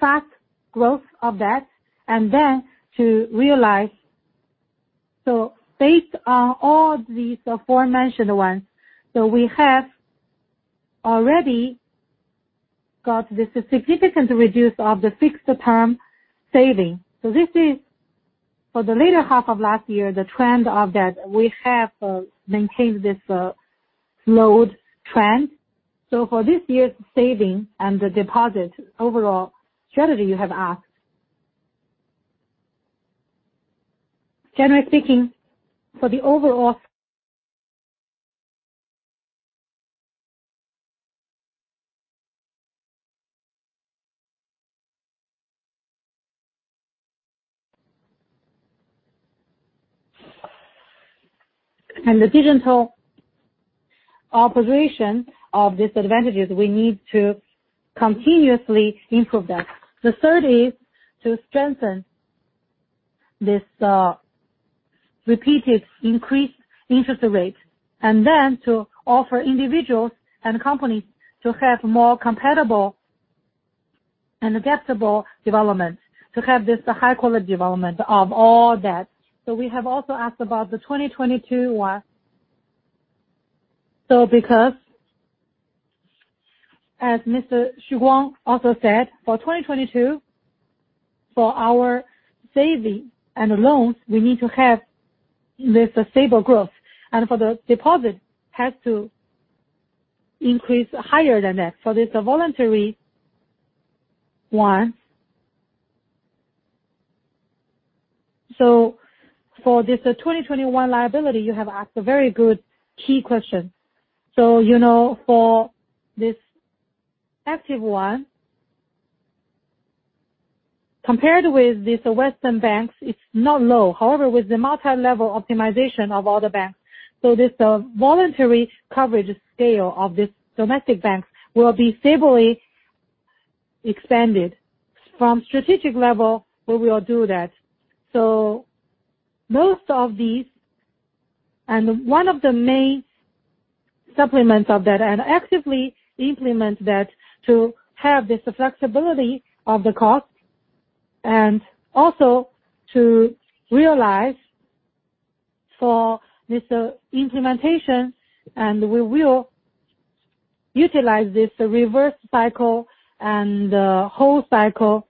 fast growth of that and then to realize. Based on all these aforementioned ones, we have already got this significant reduction of the fixed-term savings. This is for the latter half of last year, the trend that we have maintained this slowed trend. For this year's savings and the deposits overall strategy you have asked. Generally speaking, for the overall digital operations and advantages, we need to continuously improve that. The third is to strengthen this repeated increased interest rate, and then to offer individuals and companies to have more compatible and adaptable development, to have this high-quality development of all that. We have also asked about the 2022 one. Because, as Mr. Zhang Xuguang also said, for 2022, for our savings and loans, we need to have this stable growth. For the deposits, has to increase higher than that. This is a voluntary one. For this 2021 liability, you have asked a very good key question. You know, for this active one, compared with these Western banks, it's not low. However, with the multilevel optimization of all the banks, voluntary coverage scale of these domestic banks will be stably expanded. From strategic level, we will do that. Most of these one of the main supplements of that and actively implement that to have this flexibility of the cost and also to realize for this implementation, and we will utilize this reverse cycle and whole cycle.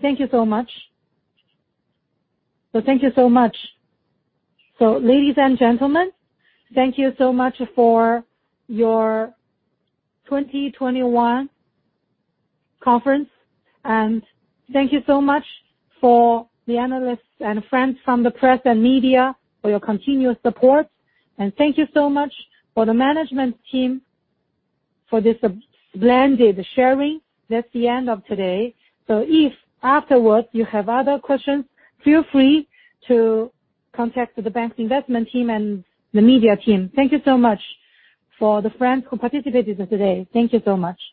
Thank you so much. Thank you so much. Ladies and gentlemen, thank you so much for your 2021 conference, and thank you so much for the analysts and friends from the press and media for your continuous support. Thank you so much for the management team for this splendid sharing. That's the end of today. If afterwards you have other questions, feel free to contact the bank's investment team and the media team. Thank you so much for the friends who participated today. Thank you so much.